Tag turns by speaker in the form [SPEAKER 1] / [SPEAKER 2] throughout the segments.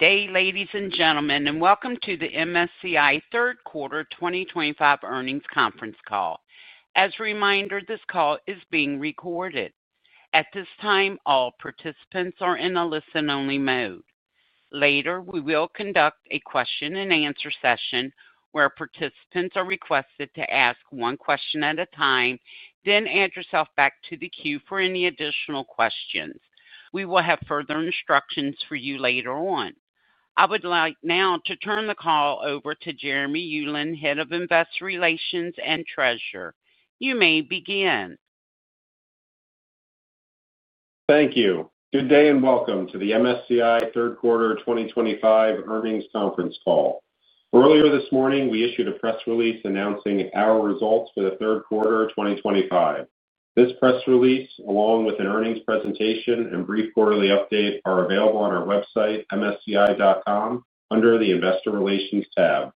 [SPEAKER 1] Good day, ladies and gentlemen, and Welcome to the MSCI third quarter 2025 earnings conference call. As a reminder, this call is being recorded. At this time, all participants are in a listen-only mode. Later, we will conduct a question and answer session where participants are requested to ask one question at a time, then add yourself back to the queue for any additional questions. We will have further instructions for you later on. I would like now to turn the call over to Jeremy Ulan, Head of Investor Relations and Treasurer. You may begin.
[SPEAKER 2] Thank you. Good day and Welcome to the MSCI third quarter 2025 earnings conference call. Earlier this morning, we issued a press release announcing our results for the third quarter 2025. This press release, along with an earnings presentation and brief quarterly update, are available on our website msci.com under the Investor Relations tab.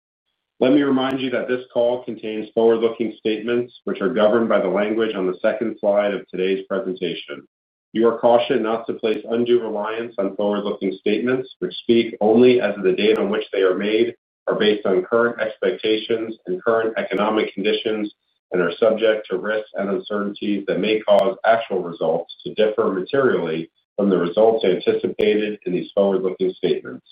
[SPEAKER 2] Let me remind you that this call contains forward-looking statements, which are governed by the language on the second slide of today's presentation. You are cautioned not to place undue reliance on forward-looking statements, which speak only as to the date on which they are made, are based on current expectations and current economic conditions, and are subject to risks and uncertainties that may cause actual results to differ materially from the results anticipated in these forward-looking statements.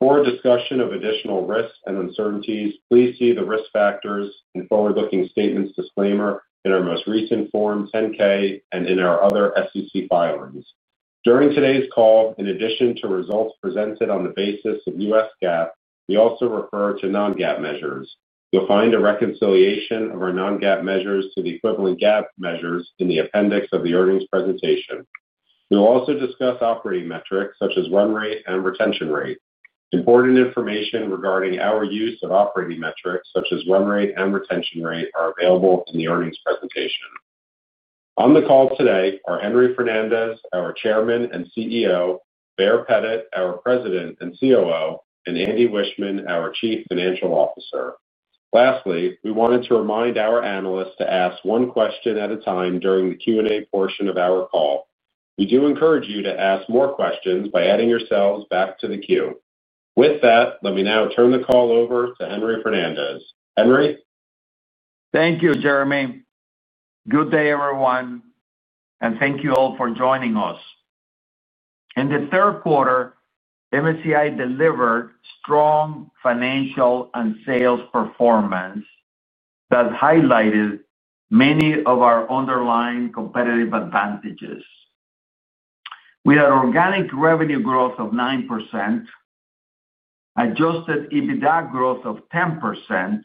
[SPEAKER 2] For a discussion of additional risks and uncertainties, please see the risk factors and forward-looking statements disclaimer in our most recent Form 10-K and in our other SEC filings. During today's call, in addition to results presented on the basis of U.S. GAAP, we also refer to non-GAAP measures. You'll find a reconciliation of our non-GAAP measures to the equivalent GAAP measures in the appendix of the earnings presentation. We will also discuss operating metrics such as run rate and retention rate. Important information regarding our use of operating metrics such as run rate and retention rate are available in the earnings presentation. On the call today are Henry Fernandez, our Chairman and CEO, Baer Pettit, our President and COO, and Andy Wiechmann, our Chief Financial Officer. Lastly, we wanted to remind our analysts to ask one question at a time during the Q&A portion of our call. We do encourage you to ask more questions by adding yourselves back to the queue. With that, let me now turn the call over to Henry Fernandez. Henry?
[SPEAKER 3] Thank you, Jeremy. Good day, everyone, and thank you all for joining us. In the third quarter, MSCI delivered strong financial and sales performance that highlighted many of our underlying competitive advantages. We had organic revenue growth of 9%, adjusted EBITDA growth of 10%,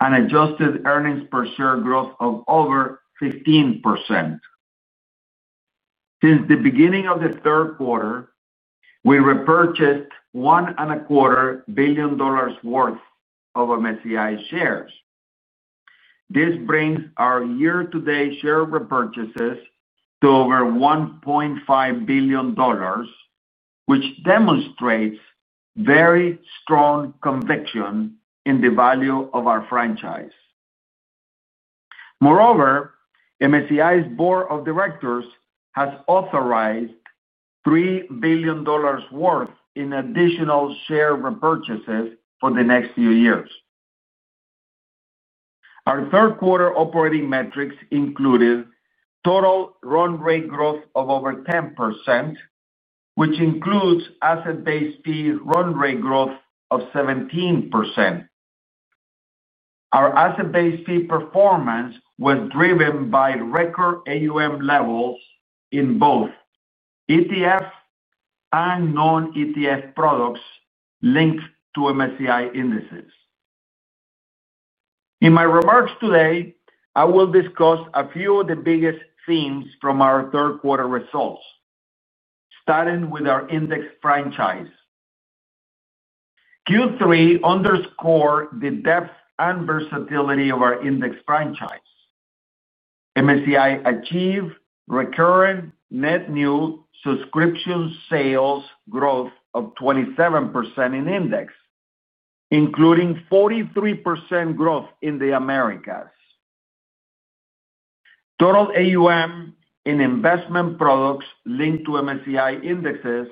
[SPEAKER 3] and adjusted earnings per share growth of over 15%. Since the beginning of the third quarter, we repurchased $1.25 billion worth of MSCI shares. This brings our year-to-date share repurchases to over $1.5 billion, which demonstrates very strong conviction in the value of our franchise. Moreover, MSCI's Board of Directors has authorized $3 billion worth in additional share repurchases for the next few years. Our third quarter operating metrics included total run rate growth of over 10%, which includes asset-based fee run rate growth of 17%. Our asset-based fee performance was driven by record AUM levels in both ETF and non-ETF products linked to MSCI indices. In my remarks today, I will discuss a few of the biggest themes from our third quarter results, starting with our Index franchise. Q3 underscored the depth and versatility of our Index franchise. MSCI achieved recurrent net new subscription sales growth of 27% in Index, including 43% growth in the Americas. Total AUM in investment products linked to MSCI indices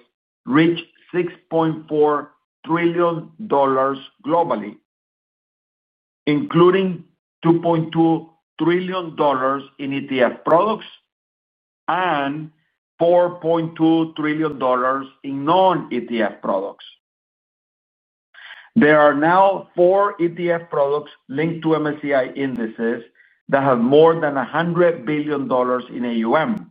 [SPEAKER 3] reached $6.4 trillion globally, including $2.2 trillion in ETF products and $4.2 trillion in non-ETF products. There are now four ETF products linked to MSCI indices that have more than $100 billion in AUM.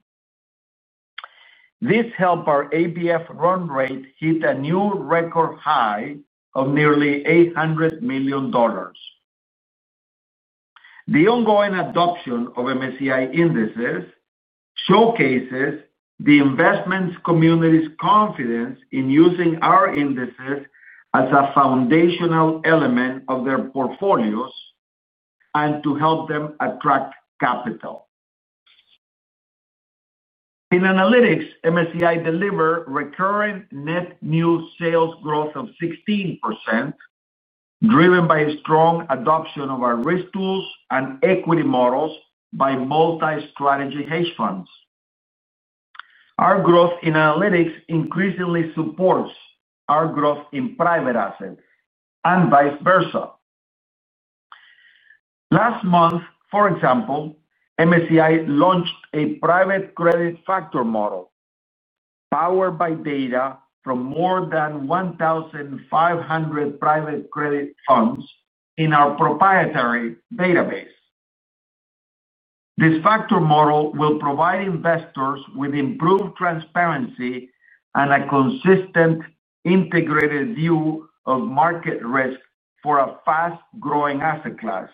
[SPEAKER 3] This helped our ETF run rate hit a new record high of nearly $800 million. The ongoing adoption of MSCI indices showcases the investment community's confidence in using our indices as a foundational element of their portfolios and to help them attract capital. In Analytics, MSCI delivered recurrent net new sales growth of 16%, driven by a strong adoption of our risk tools and equity models by multi-strategy hedge funds. Our growth in Analytics increasingly supports our growth in private assets and vice versa. Last month, for example, MSCI launched a Private Credit Factor Model powered by data from more than 1,500 private credit funds in our proprietary database. This factor model will provide investors with improved transparency and a consistent integrated view of market risk for a fast-growing asset class.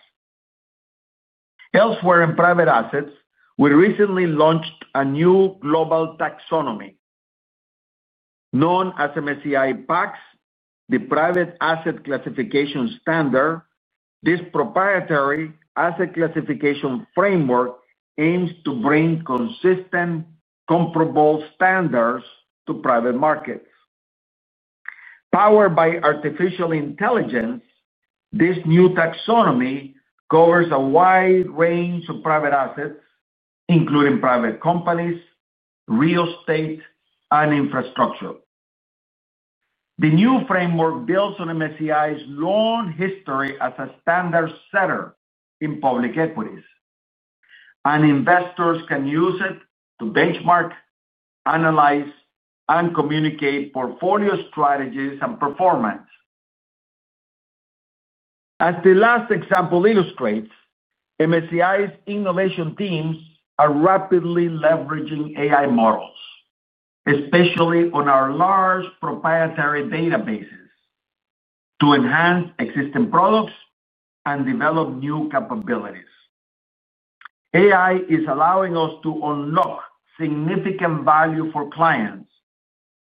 [SPEAKER 3] Elsewhere in private assets, we recently launched a new global taxonomy. Known as MSCI PACS, the Private Asset Classification Standard, this proprietary asset classification framework aims to bring consistent, comparable standards to private markets. Powered by artificial intelligence, this new taxonomy covers a wide range of private assets, including private companies, real estate, and infrastructure. The new framework builds on MSCI's long history as a standard setter in public equities, and investors can use it to benchmark, analyze, and communicate portfolio strategies and performance. As the last example illustrates, MSCI's innovation teams are rapidly leveraging AI models, especially on our large proprietary databases, to enhance existing products and develop new capabilities. AI is allowing us to unlock significant value for clients,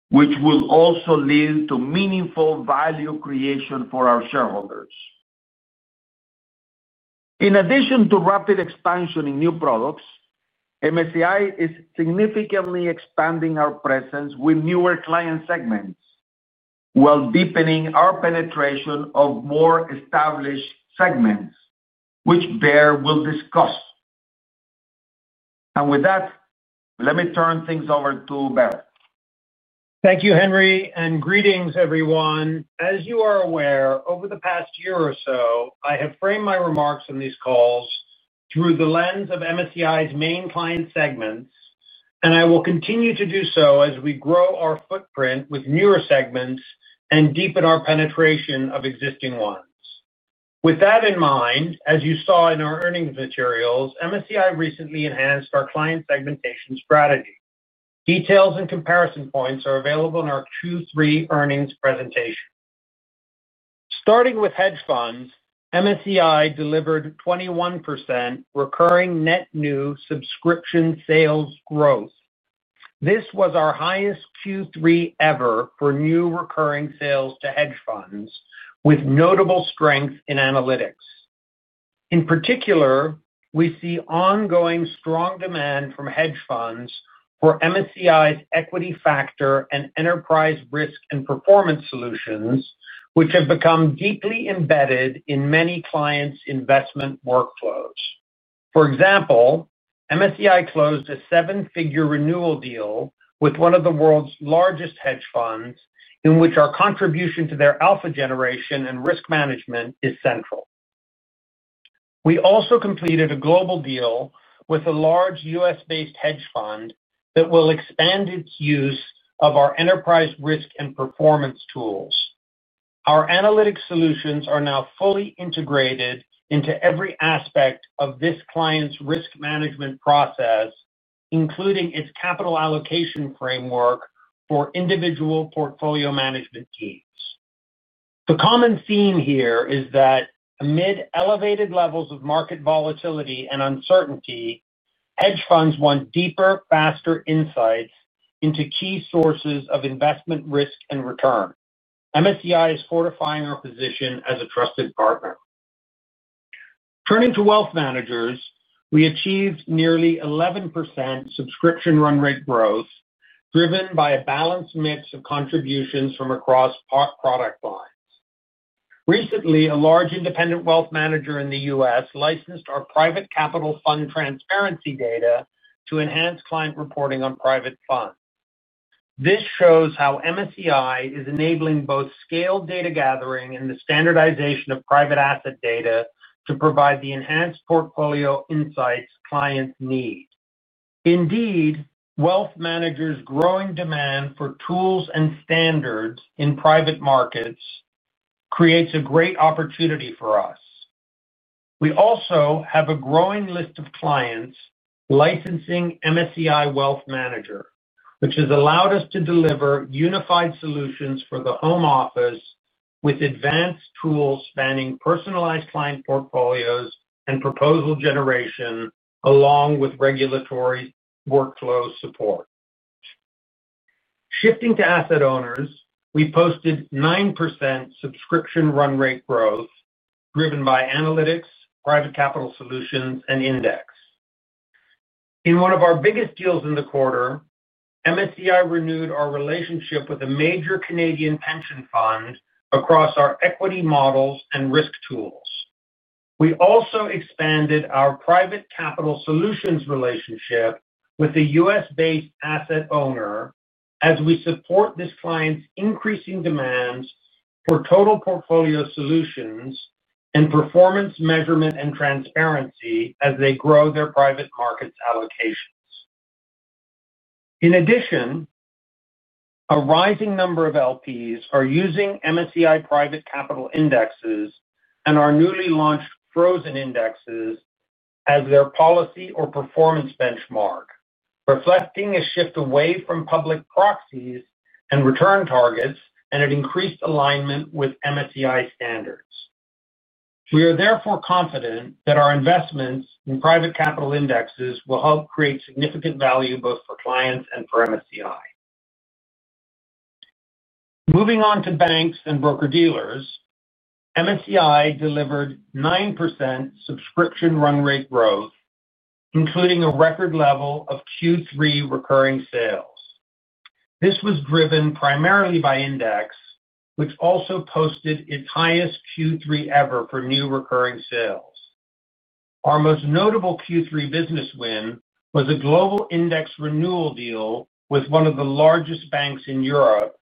[SPEAKER 3] which will also lead to meaningful value creation for our shareholders. In addition to rapid expansion in new products, MSCI is significantly expanding our presence with newer client segments while deepening our penetration of more established segments, which Baer will discuss. Let me turn things over to Baer.
[SPEAKER 4] Thank you, Henry, and greetings, everyone. As you are aware, over the past year or so, I have framed my remarks on these calls through the lens of MSCI's main client segments, and I will continue to do so as we grow our footprint with newer segments and deepen our penetration of existing ones. With that in mind, as you saw in our earnings materials, MSCI recently enhanced our client segmentation strategy. Details and comparison points are available in our Q3 earnings presentation. Starting with hedge funds, MSCI delivered 21% recurring net new subscription sales growth. This was our highest Q3 ever for new recurring sales to hedge funds, with notable strength in Analytics. In particular, we see ongoing strong demand from hedge funds for MSCI's equity factor and enterprise risk and performance solutions, which have become deeply embedded in many clients' investment workflows. For example, MSCI closed a seven-figure renewal deal with one of the world's largest hedge funds, in which our contribution to their alpha generation and risk management is central. We also completed a global deal with a large U.S.-based hedge fund that will expand its use of our enterprise risk and performance tools. Our analytics solutions are now fully integrated into every aspect of this client's risk management process, including its capital allocation framework for individual portfolio management teams. The common theme here is that amid elevated levels of market volatility and uncertainty, hedge funds want deeper, faster insights into key sources of investment risk and return. MSCI is fortifying our position as a trusted partner. Turning to wealth managers, we achieved nearly 11% subscription run rate growth, driven by a balanced mix of contributions from across product lines. Recently, a large independent wealth manager in the U.S. licensed our private capital fund transparency data to enhance client reporting on private funds. This shows how MSCI is enabling both scaled data gathering and the standardization of private asset data to provide the enhanced portfolio insights clients need. Indeed, wealth managers' growing demand for tools and standards in private markets creates a great opportunity for us. We also have a growing list of clients licensing MSCI Wealth Manager, which has allowed us to deliver unified solutions for the home office with advanced tools spanning personalized client portfolios and proposal generation, along with regulatory workflow support. Shifting to asset owners, we posted 9% subscription run rate growth, driven by Analytics, Private Capital Solutions, and Index. In one of our biggest deals in the quarter, MSCI renewed our relationship with a major Canadian pension fund across our equity models and risk tools. We also expanded our private capital solutions relationship with a U.S.-based asset owner as we support this client's increasing demands for total portfolio solutions and performance measurement and transparency as they grow their private markets allocations. In addition, a rising number of LPs are using MSCI private capital indexes and our newly launched frozen indexes as their policy or performance benchmark, reflecting a shift away from public proxies and return targets and an increased alignment with MSCI standards. We are therefore confident that our investments in private capital indexes will help create significant value both for clients and for MSCI. Moving on to banks and broker dealers, MSCI delivered 9% subscription run rate growth, including a record level of Q3 recurring sales. This was driven primarily by index, which also posted its highest Q3 ever for new recurring sales. Our most notable Q3 business win was a global index renewal deal with one of the largest banks in Europe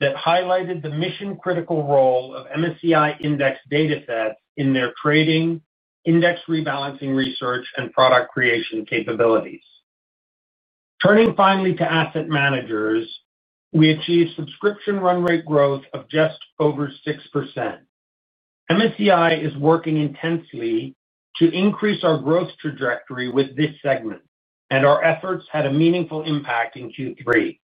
[SPEAKER 4] that highlighted the mission-critical role of MSCI index datasets in their trading, index rebalancing research, and product creation capabilities. Turning finally to asset managers, we achieved subscription run rate growth of just over 6%. MSCI is working intensely to increase our growth trajectory with this segment, and our efforts had a meaningful impact in Q3.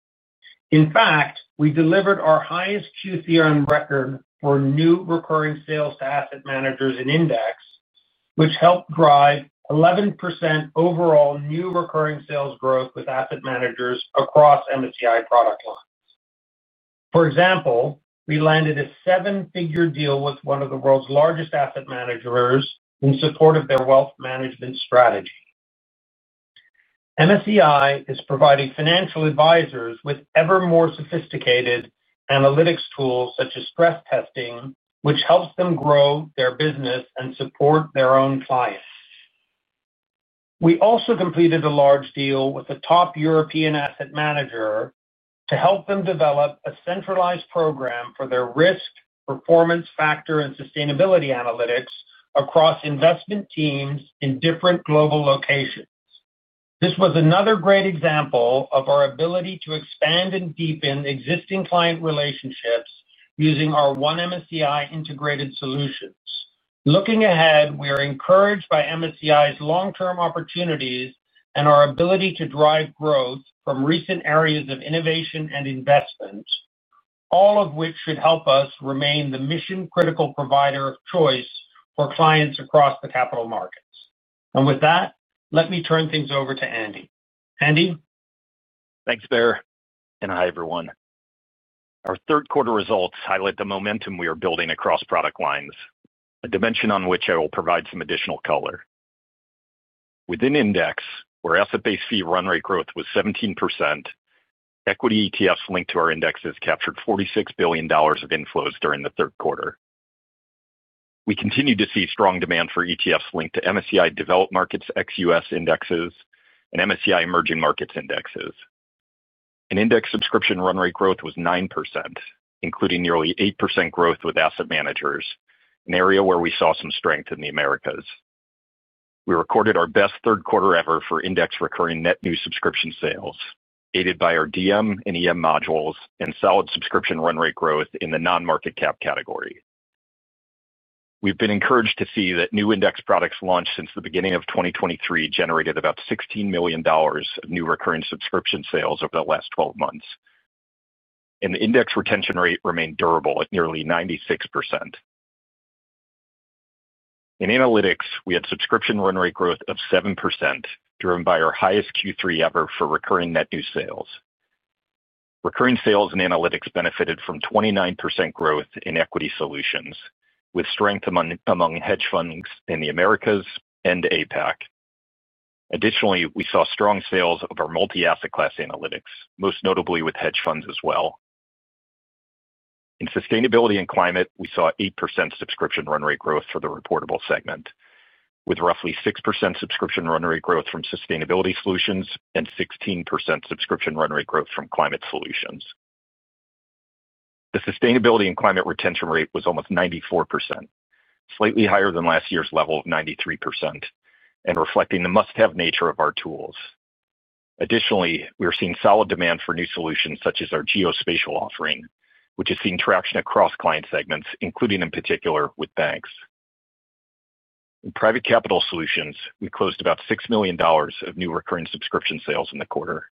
[SPEAKER 4] In fact, we delivered our highest Q3 on record for new recurring sales to asset managers in Index, which helped drive 11% overall new recurring sales growth with asset managers across MSCI product lines. For example, we landed a seven-figure deal with one of the world's largest asset managers in support of their wealth management strategy. MSCI is providing financial advisors with ever more sophisticated analytics tools such as stress testing, which helps them grow their business and support their own clients. We also completed a large deal with a top European asset manager to help them develop a centralized program for their risk, performance factor, and sustainability analytics across investment teams in different global locations. This was another great example of our ability to expand and deepen existing client relationships using our One MSCI integrated solutions. Looking ahead, we are encouraged by MSCI's long-term opportunities and our ability to drive growth from recent areas of innovation and investment, all of which should help us remain the mission-critical provider of choice for clients across the capital markets. Let me turn things over to Andy. Andy?
[SPEAKER 5] Thanks, Baer, and hi, everyone. Our third quarter results highlight the momentum we are building across product lines, a dimension on which I will provide some additional color. Within index, where asset-based fee run rate growth was 17%, equity ETFs linked to our indexes captured $46 billion of inflows during the third quarter. We continue to see strong demand for ETFs linked to MSCI developed markets ex U.S. indexes and MSCI emerging markets Indexes. In index, subscription run rate growth was 9%, including nearly 8% growth with asset managers, an area where we saw some strength in the Americas. We recorded our best third quarter ever for index recurring net new subscription sales, aided by our DM and EM modules and solid subscription run rate growth in the non-market cap category. We've been encouraged to see that new index products launched since the beginning of 2023 generated about $16 million of new recurring subscription sales over the last 12 months, and the index retention rate remained durable at nearly 96%. In Analytics, we had subscription run rate growth of 7%, driven by our highest Q3 ever for recurring net new sales. Recurring sales in Analytics benefited from 29% growth in equity solutions, with strength among hedge funds in the Americas and APAC. Additionally, we saw strong sales of our multi-asset class Analytics, most notably with hedge funds as well. In sustainability and climate, we saw 8% subscription run rate growth for the reportable segment, with roughly 6% subscription run rate growth from sustainability solutions and 16% subscription run rate growth from climate solutions. The sustainability and climate retention rate was almost 94%, slightly higher than last year's level of 93%, and reflecting the must-have nature of our tools. Additionally, we are seeing solid demand for new solutions such as our geospatial offering, which is seeing traction across client segments, including in particular with banks. In private capital solutions, we closed about $6 million of new recurring subscription sales in the quarter,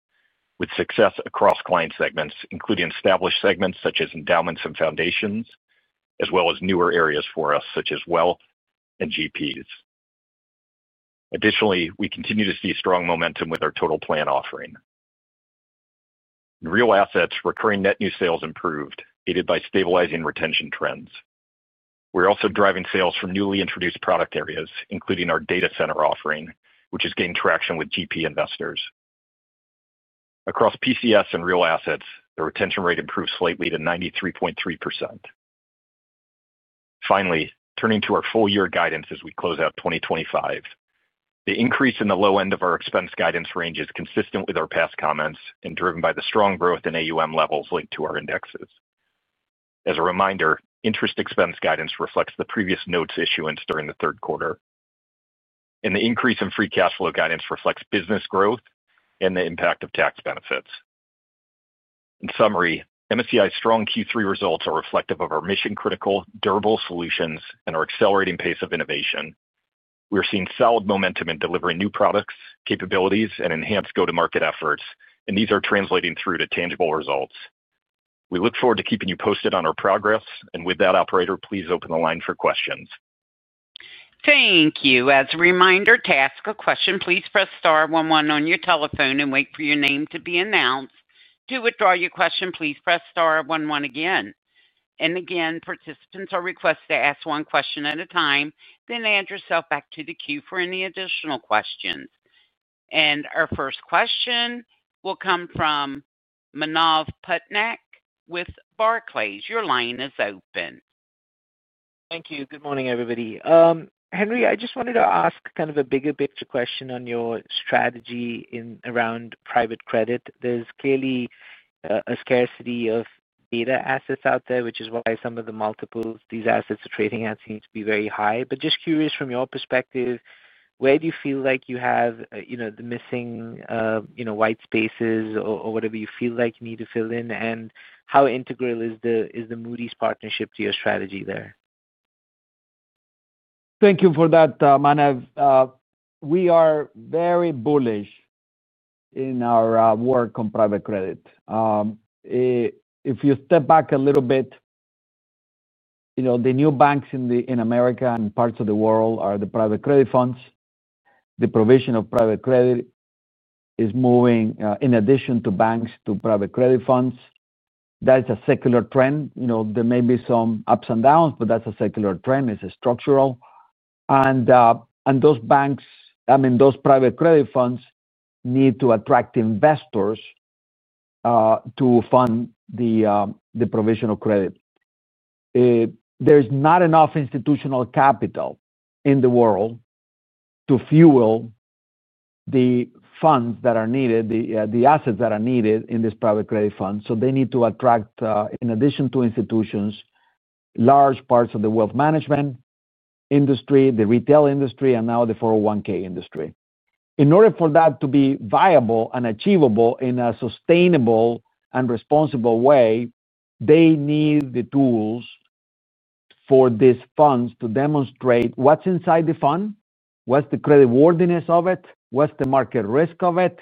[SPEAKER 5] with success across client segments, including established segments such as endowments and foundations, as well as newer areas for us such as wealth and GPs. Additionally, we continue to see strong momentum with our total plan offering. In real assets, recurring net new sales improved, aided by stabilizing retention trends. We're also driving sales from newly introduced product areas, including our data center offering, which has gained traction with GP investors. Across PCS and real assets, the retention rate improved slightly to 93.3%. Finally, turning to our full-year guidance as we close out 2025, the increase in the low end of our expense guidance range is consistent with our past comments and driven by the strong growth in AUM levels linked to our indexes. As a reminder, interest expense guidance reflects the previous notes issuance during the third quarter, and the increase in free cash flow guidance reflects business growth and the impact of tax benefits. In summary, MSCI's strong Q3 results are reflective of our mission-critical, durable solutions and our accelerating pace of innovation. We are seeing solid momentum in delivering new products, capabilities, and enhanced go-to-market efforts, and these are translating through to tangible results. We look forward to keeping you posted on our progress, and with that, operator, please open the line for questions.
[SPEAKER 1] Thank you. As a reminder, to ask a question, please press star one-one on your telephone and wait for your name to be announced. To withdraw your question, please press star one-one again. Participants are requested to ask one question at a time, then add yourself back to the queue for any additional questions. Our first question will come from Manav Patnaik with Barclays. Your line is open.
[SPEAKER 6] Thank you. Good morning, everybody. Henry, I just wanted to ask a bigger picture question on your strategy around private credit. There's clearly a scarcity of data assets out there, which is why some of the multiples these assets are trading at seem to be very high. I'm just curious, from your perspective, where do you feel like you have the missing white spaces or whatever you feel like you need to fill in, and how integral is the Moody's partnership to your strategy there?
[SPEAKER 3] Thank you for that, Manav. We are very bullish in our work on private credit. If you step back a little bit, the new banks in America and parts of the world are the private credit funds. The provision of private credit is moving, in addition to banks, to private credit funds. That is a secular trend. There may be some ups and downs, but that's a secular trend. It's structural. Those private credit funds need to attract investors to fund the provision of credit. There's not enough institutional capital in the world to fuel the funds that are needed, the assets that are needed in this private credit fund. They need to attract, in addition to institutions, large parts of the wealth management industry, the retail industry, and now the 401(k) industry. In order for that to be viable and achievable in a sustainable and responsible way, they need the tools for these funds to demonstrate what's inside the fund, what's the credit worthiness of it, what's the market risk of it,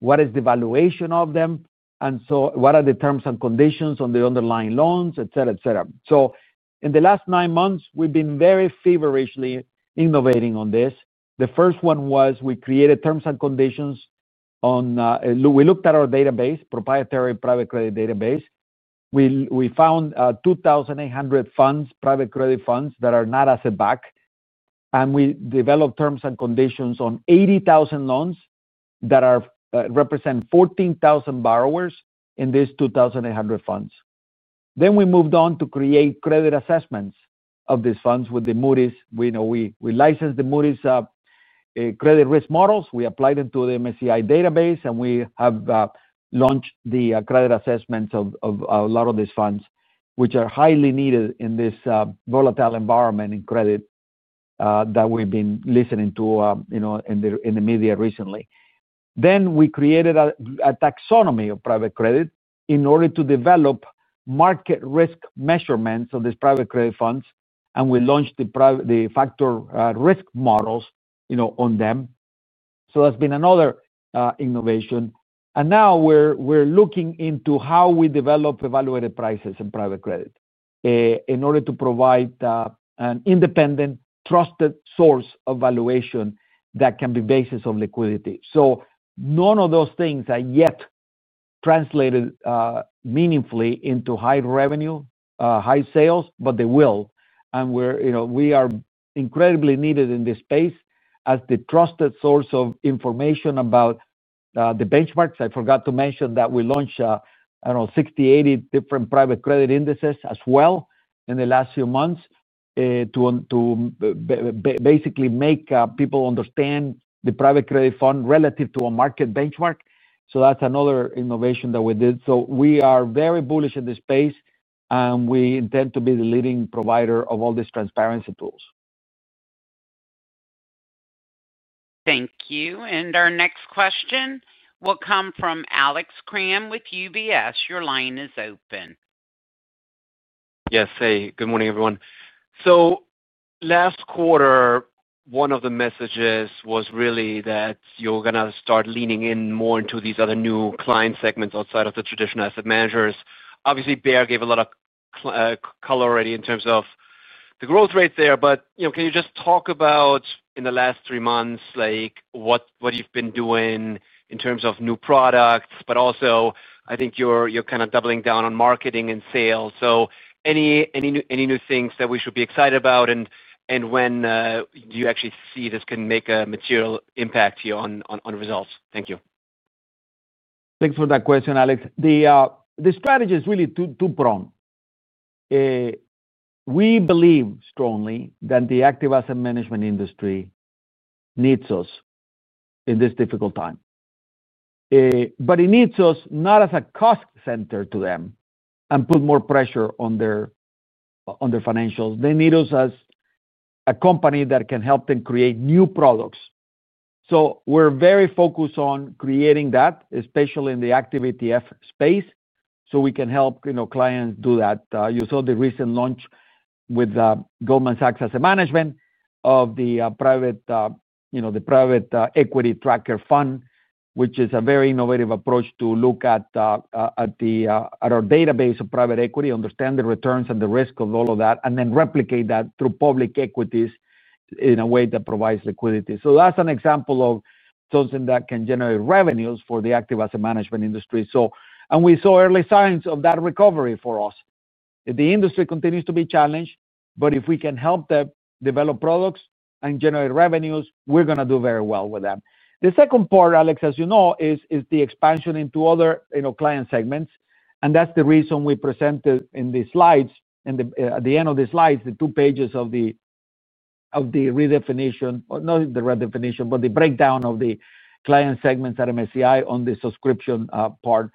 [SPEAKER 3] what is the valuation of them, and what are the terms and conditions on the underlying loans, etc. In the last nine months, we've been very feverishly innovating on this. The first one was we created terms and conditions on our proprietary private credit database. We found 2,800 private credit funds that are not asset-backed, and we developed terms and conditions on 80,000 loans that represent 14,000 borrowers in these 2,800 funds. We moved on to create credit assessments of these funds with Moody's. We licensed the Moody's credit risk models. We applied them to the MSCI database, and we have launched the credit assessments of a lot of these funds, which are highly needed in this volatile environment in credit that we've been listening to in the media recently. We created a taxonomy of private credit in order to develop market risk measurements of these private credit funds, and we launched the factor risk models on them. That's been another innovation. We are looking into how we develop evaluated prices in private credit in order to provide an independent, trusted source of valuation that can be a basis of liquidity. None of those things are yet translated meaningfully into high revenue, high sales, but they will. We are incredibly needed in this space as the trusted source of information about the benchmarks. I forgot to mention that we launched, I don't know, 60, 80 different private credit indices as well in the last few months to basically make people understand the private credit fund relative to a market benchmark. That's another innovation that we did. We are very bullish in this space, and we intend to be the leading provider of all these transparency tools.
[SPEAKER 1] Thank you. Our next question will come from Alex Kram with UBS. Your line is open.
[SPEAKER 7] Yes. Hey, good morning, everyone. Last quarter, one of the messages was really that you're going to start leaning in more into these other new client segments outside of the traditional asset managers. Obviously, Baer gave a lot of color already in terms of the growth rates there, but you know, can you just talk about in the last three months what you've been doing in terms of new products? I think you're kind of doubling down on marketing and sales. Any new things that we should be excited about and when do you actually see this can make a material impact here on results? Thank you.
[SPEAKER 3] Thanks for that question, Alex. The strategy is really two-pronged. We believe strongly that the active asset management industry needs us in this difficult time. It needs us not as a cost center to them and put more pressure on their financials. They need us as a company that can help them create new products. We are very focused on creating that, especially in the active ETF space, so we can help clients do that. You saw the recent launch with Goldman Sachs Asset Management of the Private Equity Tracker Fund, which is a very innovative approach to look at our database of private equity, understand the returns and the risk of all of that, and then replicate that through public equities in a way that provides liquidity. That is an example of something that can generate revenues for the active asset management industry. We saw early signs of that recovery for us. The industry continues to be challenged. If we can help them develop products and generate revenues, we are going to do very well with them. The second part, Alex, as you know, is the expansion into other client segments. That is the reason we presented in the slides, at the end of the slides, the two pages of the breakdown of the client segments at MSCI on the subscription part.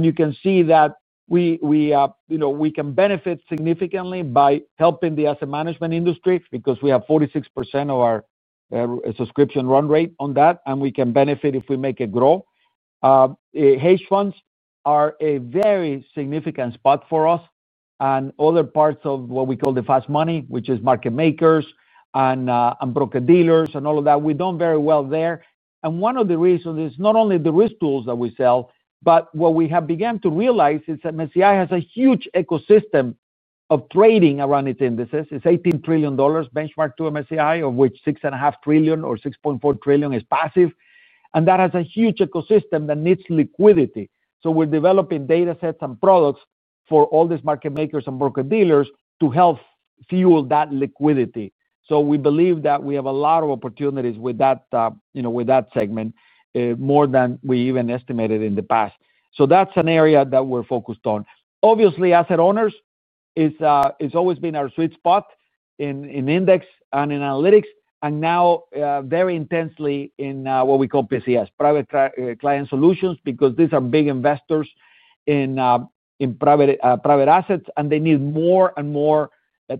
[SPEAKER 3] You can see that we can benefit significantly by helping the asset management industry because we have 46% of our subscription run rate on that, and we can benefit if we make it grow. Hedge funds are a very significant spot for us. Other parts of what we call the fast money, which is market makers and broker dealers and all of that, we have done very well there. One of the reasons is not only the risk tools that we sell, but what we have begun to realize is that MSCI has a huge ecosystem of trading around its indices. It is $18 trillion benchmarked to MSCI, of which $6.5 trillion or $6.4 trillion is passive. That has a huge ecosystem that needs liquidity. We are developing datasets and products for all these market makers and broker dealers to help fuel that liquidity. We believe that we have a lot of opportunities with that segment, more than we even estimated in the past. That is an area that we are focused on. Obviously, asset owners has always been our sweet spot in Index and in Analytics, and now very intensely in what we call PCS, Private Client Solutions, because these are big investors in private assets, and they need more and more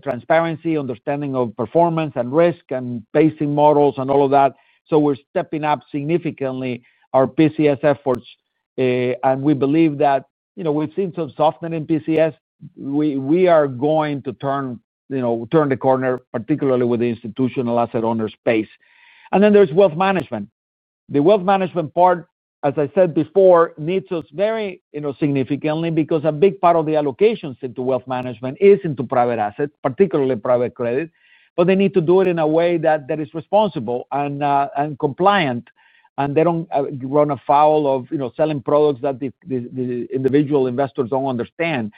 [SPEAKER 3] transparency, understanding of performance and risk and pacing models and all of that. We are stepping up significantly our PCS efforts. We believe that we've seen some softening in PCS. We are going to turn the corner, particularly with the institutional asset owner space. There is wealth management. The wealth management part, as I said before, needs us very significantly because a big part of the allocations into wealth management is into private assets, particularly private credit. They need to do it in a way that is responsible and compliant, and they don't run afoul of selling products that these individual investors don't understand.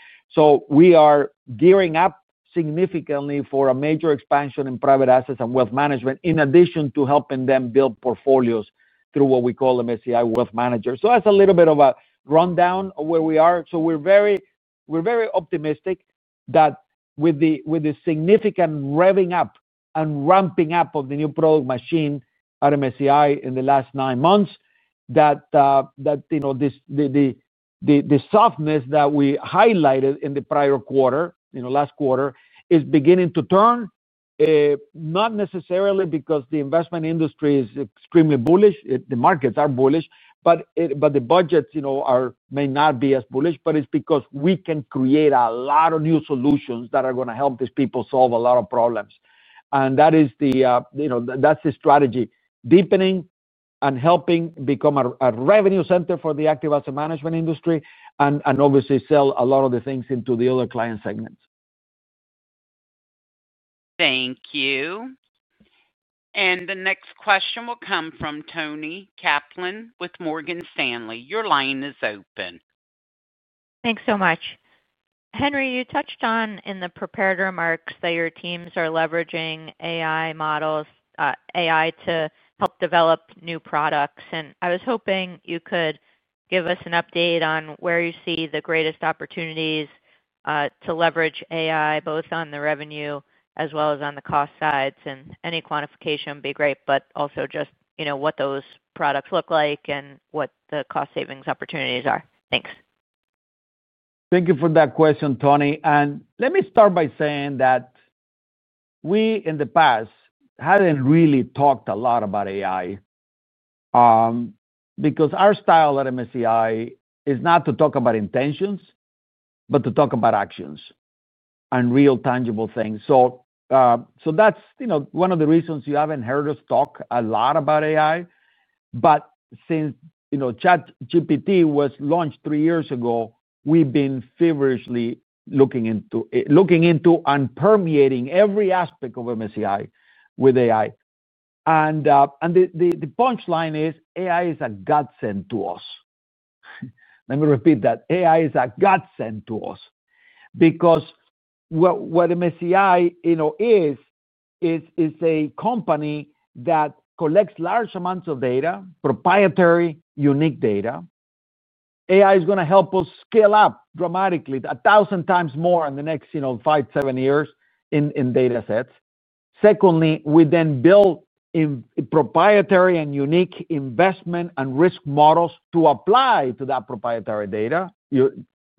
[SPEAKER 3] We are gearing up significantly for a major expansion in private assets and wealth management, in addition to helping them build portfolios through what we call MSCI Wealth Manager. That's a little bit of a rundown of where we are. We're very optimistic that with the significant revving up and ramping up of the new product machine at MSCI in the last nine months, the softness that we highlighted in the prior quarter, last quarter, is beginning to turn, not necessarily because the investment industry is extremely bullish. The markets are bullish, but the budgets may not be as bullish, but it's because we can create a lot of new solutions that are going to help these people solve a lot of problems. That is the strategy, deepening and helping become a revenue center for the active asset management industry and obviously sell a lot of the things into the other client segments.
[SPEAKER 1] Thank you. The next question will come from Toni Kaplan with Morgan Stanley. Your line is open.
[SPEAKER 8] Thanks so much. Henry, you touched on in the prepared remarks that your teams are leveraging AI models, AI to help develop new products. I was hoping you could give us an update on where you see the greatest opportunities to leverage AI, both on the revenue as well as on the cost sides. Any quantification would be great, but also just what those products look like and what the cost savings opportunities are. Thanks.
[SPEAKER 3] Thank you for that question, Tony. Let me start by saying that we, in the past, hadn't really talked a lot about AI because our style at MSCI is not to talk about intentions, but to talk about actions and real, tangible things. That is one of the reasons you haven't heard us talk a lot about AI. Since ChatGPT was launched three years ago, we've been feverishly looking into and permeating every aspect of MSCI with AI. The punchline is AI is a godsend to us. Let me repeat that. AI is a godsend to us because what MSCI is, is a company that collects large amounts of data, proprietary, unique data. AI is going to help us scale up dramatically, 1,000 times more in the next five, seven years in datasets. Secondly, we then build in proprietary and unique investment and risk models to apply to that proprietary data.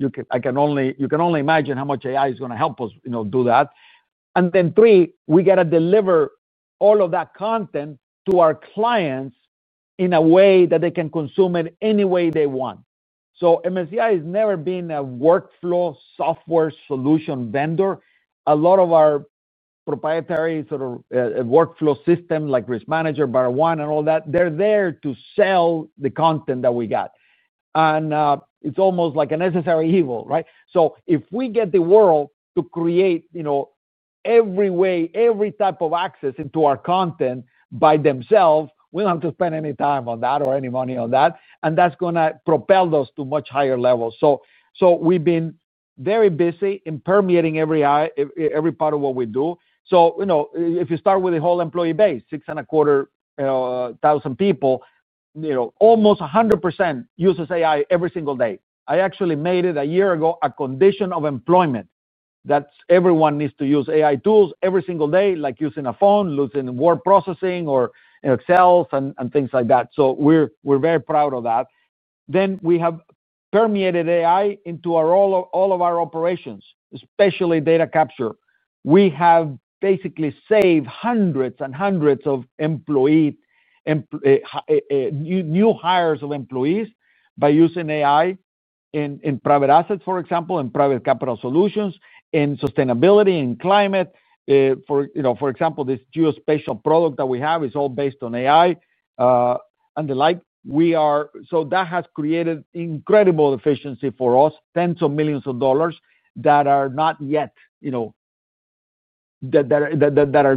[SPEAKER 3] You can only imagine how much AI is going to help us do that. Third, we have to deliver all of that content to our clients in a way that they can consume it any way they want. MSCI has never been a workflow software solution vendor. A lot of our proprietary workflow systems like Risk Manager, BarraOne, and all that, they're there to sell the content that we have. It is almost like a necessary evil, right? If we get the world to create every way, every type of access into our content by themselves, we don't have to spend any time on that or any money on that. That is going to propel those to much higher levels. We have been very busy in permeating every part of what we do. If you start with the whole employee base, 6.25 thousand people, almost 100% uses AI every single day. I actually made it a year ago a condition of employment that everyone needs to use AI tools every single day, like using a phone, using word processing or Excel and things like that. We are very proud of that. We have permeated AI into all of our operations, especially data capture. We have basically saved hundreds and hundreds of new hires of employees by using AI in private assets, for example, and Private Capital Solutions, in sustainability and climate. For example, this geospatial product that we have is all based on AI and the like. That has created incredible efficiency for us, tens of millions of dollars that are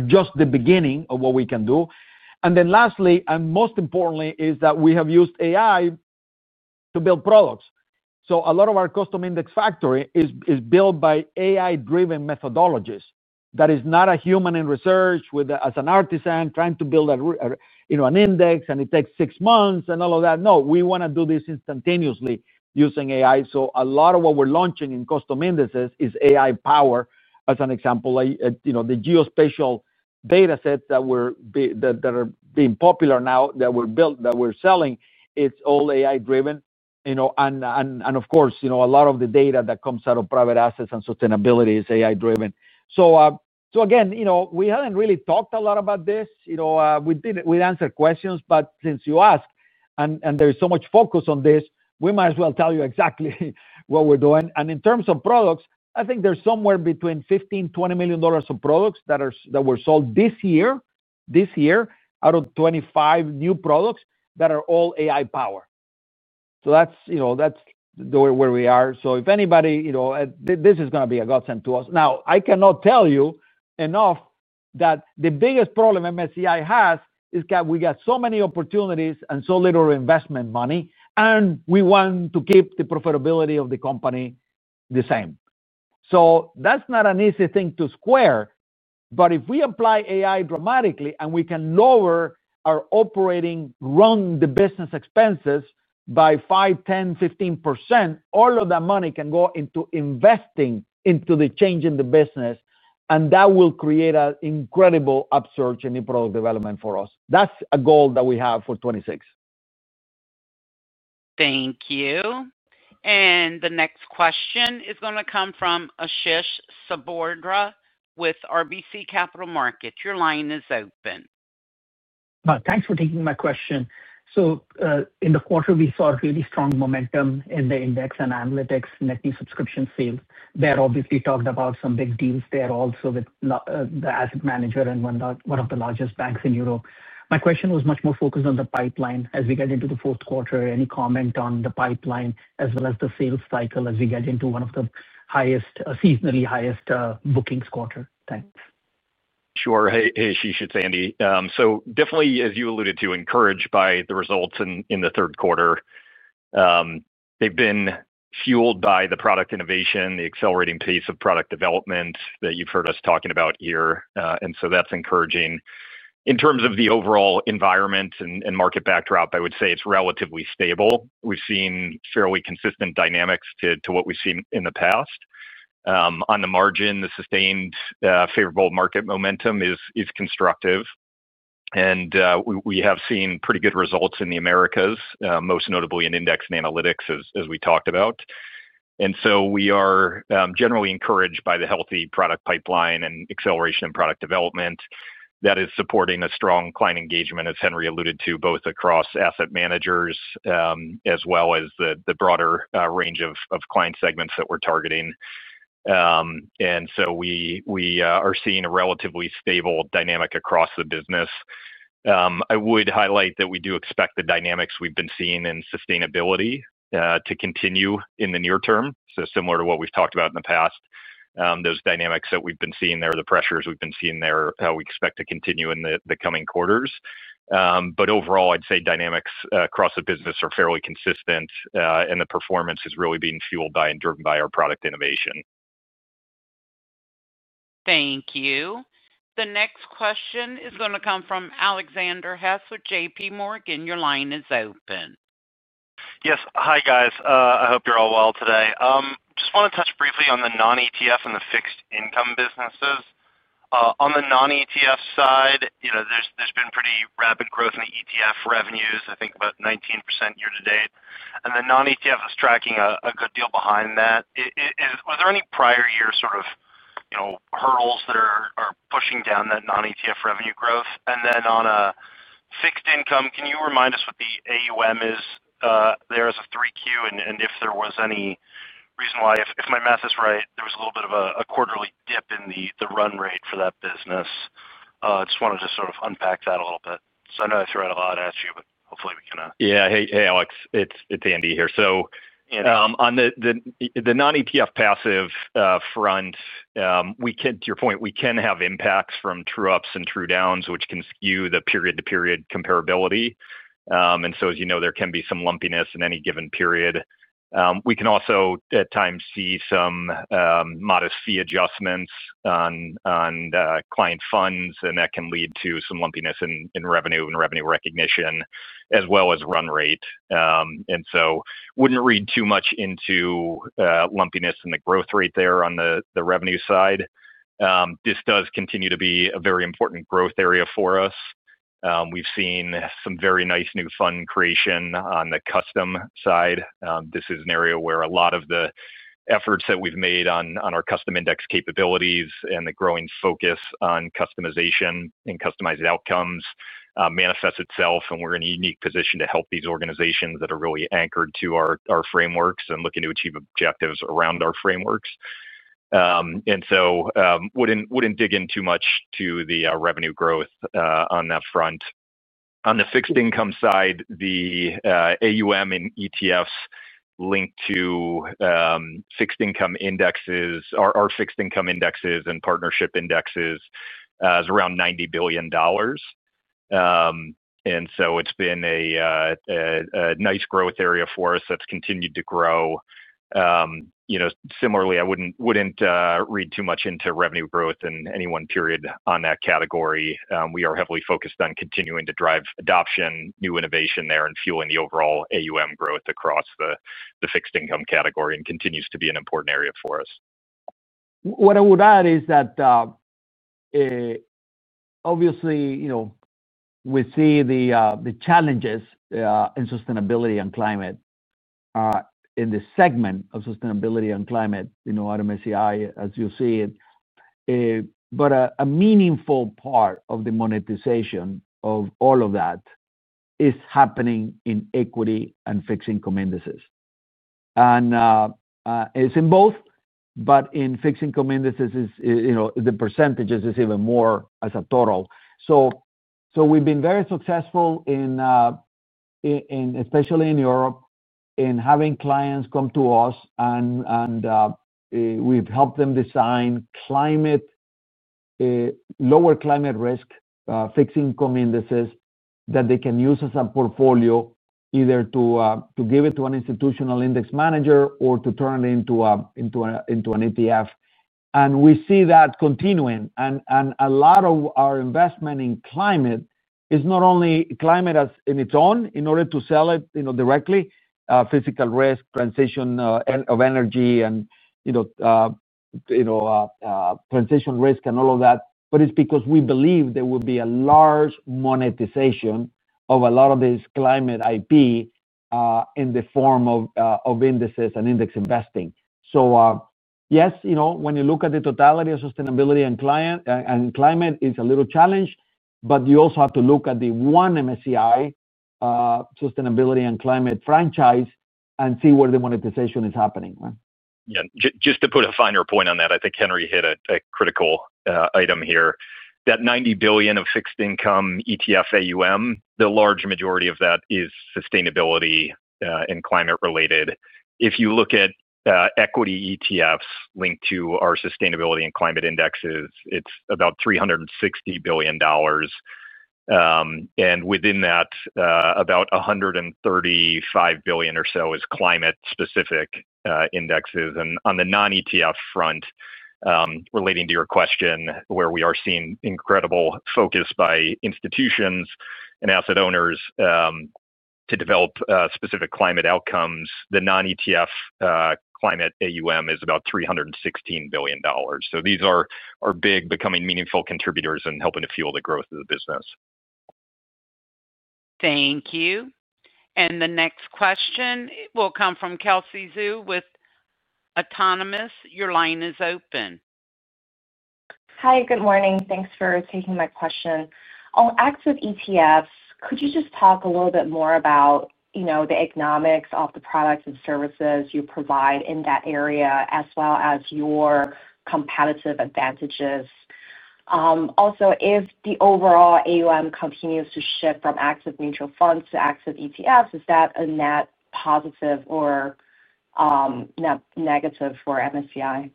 [SPEAKER 3] just the beginning of what we can do. Lastly, and most importantly, we have used AI to build products. A lot of our custom index factory is built by AI-driven methodologies. That is not a human in research, as an artisan, trying to build an index, and it takes six months and all of that. We want to do this instantaneously using AI. A lot of what we're launching in custom indices is AI powered. As an example, the geospatial datasets that are being popular now that we're building, that we're selling, it's all AI-driven. Of course, a lot of the data that comes out of private assets and sustainability is AI-driven. We haven't really talked a lot about this. We answered questions, but since you asked and there's so much focus on this, we might as well tell you exactly what we're doing. In terms of products, I think there's somewhere between $15 million, $20 million of products that were sold this year, out of 25 new products that are all AI-powered. That's where we are. If anybody, this is going to be a godsend to us. I cannot tell you enough that the biggest problem MSCI has is that we got so many opportunities and so little investment money, and we want to keep the profitability of the company the same. That's not an easy thing to square, but if we apply AI dramatically and we can lower our operating run, the business expenses by 5%, 10%, 15%, all of that money can go into investing into the change in the business, and that will create an incredible upsurge in new product development for us. That's a goal that we have for 2026.
[SPEAKER 1] Thank you. The next question is going to come from Ashish Sabardra with RBC Capital Markets. Your line is open.
[SPEAKER 9] Thanks for taking my question. In the quarter, we saw really strong momentum in the index and Analytics net new subscription sales. Baer obviously talked about some big deals there also with the asset manager and one of the largest banks in Europe. My question was much more focused on the pipeline as we get into the fourth quarter. Any comment on the pipeline as well as the sales cycle as we get into one of the highest, seasonally highest bookings quarter? Thanks.
[SPEAKER 5] Sure. Hey, Ashish. It's Andy. Definitely, as you alluded to, encouraged by the results in the third quarter. They've been fueled by the product innovation, the accelerating pace of product development that you've heard us talking about here. That's encouraging. In terms of the overall environment and market backdrop, I would say it's relatively stable. We've seen fairly consistent dynamics to what we've seen in the past. On the margin, the sustained favorable market momentum is constructive. We have seen pretty good results in the Americas, most notably in Index and Analytics, as we talked about. We are generally encouraged by the healthy product pipeline and acceleration in product development that is supporting a strong client engagement, as Henry alluded to, both across asset managers as well as the broader range of client segments that we're targeting. We are seeing a relatively stable dynamic across the business. I would highlight that we do expect the dynamics we've been seeing in sustainability to continue in the near term. Similar to what we've talked about in the past, those dynamics that we've been seeing there, the pressures we've been seeing there, we expect to continue in the coming quarters. Overall, I'd say dynamics across the business are fairly consistent, and the performance is really being fueled by and driven by our product innovation.
[SPEAKER 1] Thank you. The next question is going to come from Alexander Hess with JPMorgan. Your line is open.
[SPEAKER 10] Yes. Hi, guys. I hope you're all well today. I just want to touch briefly on the non-ETF and the fixed income businesses. On the non-ETF side, you know, there's been pretty rapid growth in the ETF revenues, I think about 19% year-to-date. The non-ETF is tracking a good deal behind that. Were there any prior year sort of, you know, hurdles that are pushing down that non-ETF revenue growth? On fixed income, can you remind us what the AUM is there as of 3Q and if there was any reason why, if my math is right, there was a little bit of a quarterly dip in the run rate for that business? I just wanted to sort of unpack that a little bit. I know I threw out a lot at you, but hopefully we can.
[SPEAKER 5] Yeah. Hey, Alex. It's Andy here. On the non-ETF passive front, to your point, we can have impacts from true ups and true downs, which can skew the period-to-period comparability. As you know, there can be some lumpiness in any given period. We can also, at times, see some modest fee adjustments on client funds, and that can lead to some lumpiness in revenue and revenue recognition, as well as run rate. I wouldn't read too much into lumpiness in the growth rate there on the revenue side. This does continue to be a very important growth area for us. We've seen some very nice new fund creation on the custom side. This is an area where a lot of the efforts that we've made on our custom index capabilities and the growing focus on customization and customized outcomes manifest itself. We're in a unique position to help these organizations that are really anchored to our frameworks and looking to achieve objectives around our frameworks. I wouldn't dig in too much to the revenue growth on that front. On the fixed income side, the AUM in ETFs linked to fixed income indexes or fixed income indexes and partnership indexes is around $90 billion. It's been a nice growth area for us that's continued to grow. Similarly, I wouldn't read too much into revenue growth in any one period on that category. We are heavily focused on continuing to drive adoption, new innovation there, and fueling the overall AUM growth across the fixed income category, and it continues to be an important area for us.
[SPEAKER 3] What I would add is that obviously, you know, we see the challenges in sustainability and climate in the segment of sustainability and climate, you know, at MSCI, as you see it. A meaningful part of the monetization of all of that is happening in equity and fixed income indices. It's in both, but in fixed income indices, the percentage is even more as a total. We have been very successful, especially in Europe, in having clients come to us, and we've helped them design lower climate risk fixed income indices that they can use as a portfolio either to give it to an institutional index manager or to turn it into an ETF. We see that continuing. A lot of our investment in climate is not only climate as in its own, in order to sell it directly, physical risk, transition of energy, and transition risk and all of that, but it's because we believe there will be a large monetization of a lot of this climate IP in the form of indices and index investing. Yes, when you look at the totality of sustainability and climate, it's a little challenged, but you also have to look at the one MSCI sustainability and climate franchise and see where the monetization is happening.
[SPEAKER 5] Yeah. Just to put a finer point on that, I think Henry hit a critical item here. That $90 billion of fixed income ETF AUM, the large majority of that is sustainability and climate related. If you look at equity ETFs linked to our sustainability and climate indexes, it's about $360 billion. Within that, about $135 billion or so is climate-specific indexes. On the non-ETF front, relating to your question, where we are seeing incredible focus by institutions and asset owners to develop specific climate outcomes, the non-ETF climate AUM is about $316 billion. These are big, becoming meaningful contributors and helping to fuel the growth of the business.
[SPEAKER 1] Thank you. The next question will come from Kelsey Zhu with Autonomous. Your line is open.
[SPEAKER 11] Hi. Good morning. Thanks for taking my question. On active ETFs, could you just talk a little bit more about, you know, the economics of the products and services you provide in that area, as well as your competitive advantages? Also, if the overall AUM continues to shift from active mutual funds to active ETFs, is that a net positive or net negative for MSCI?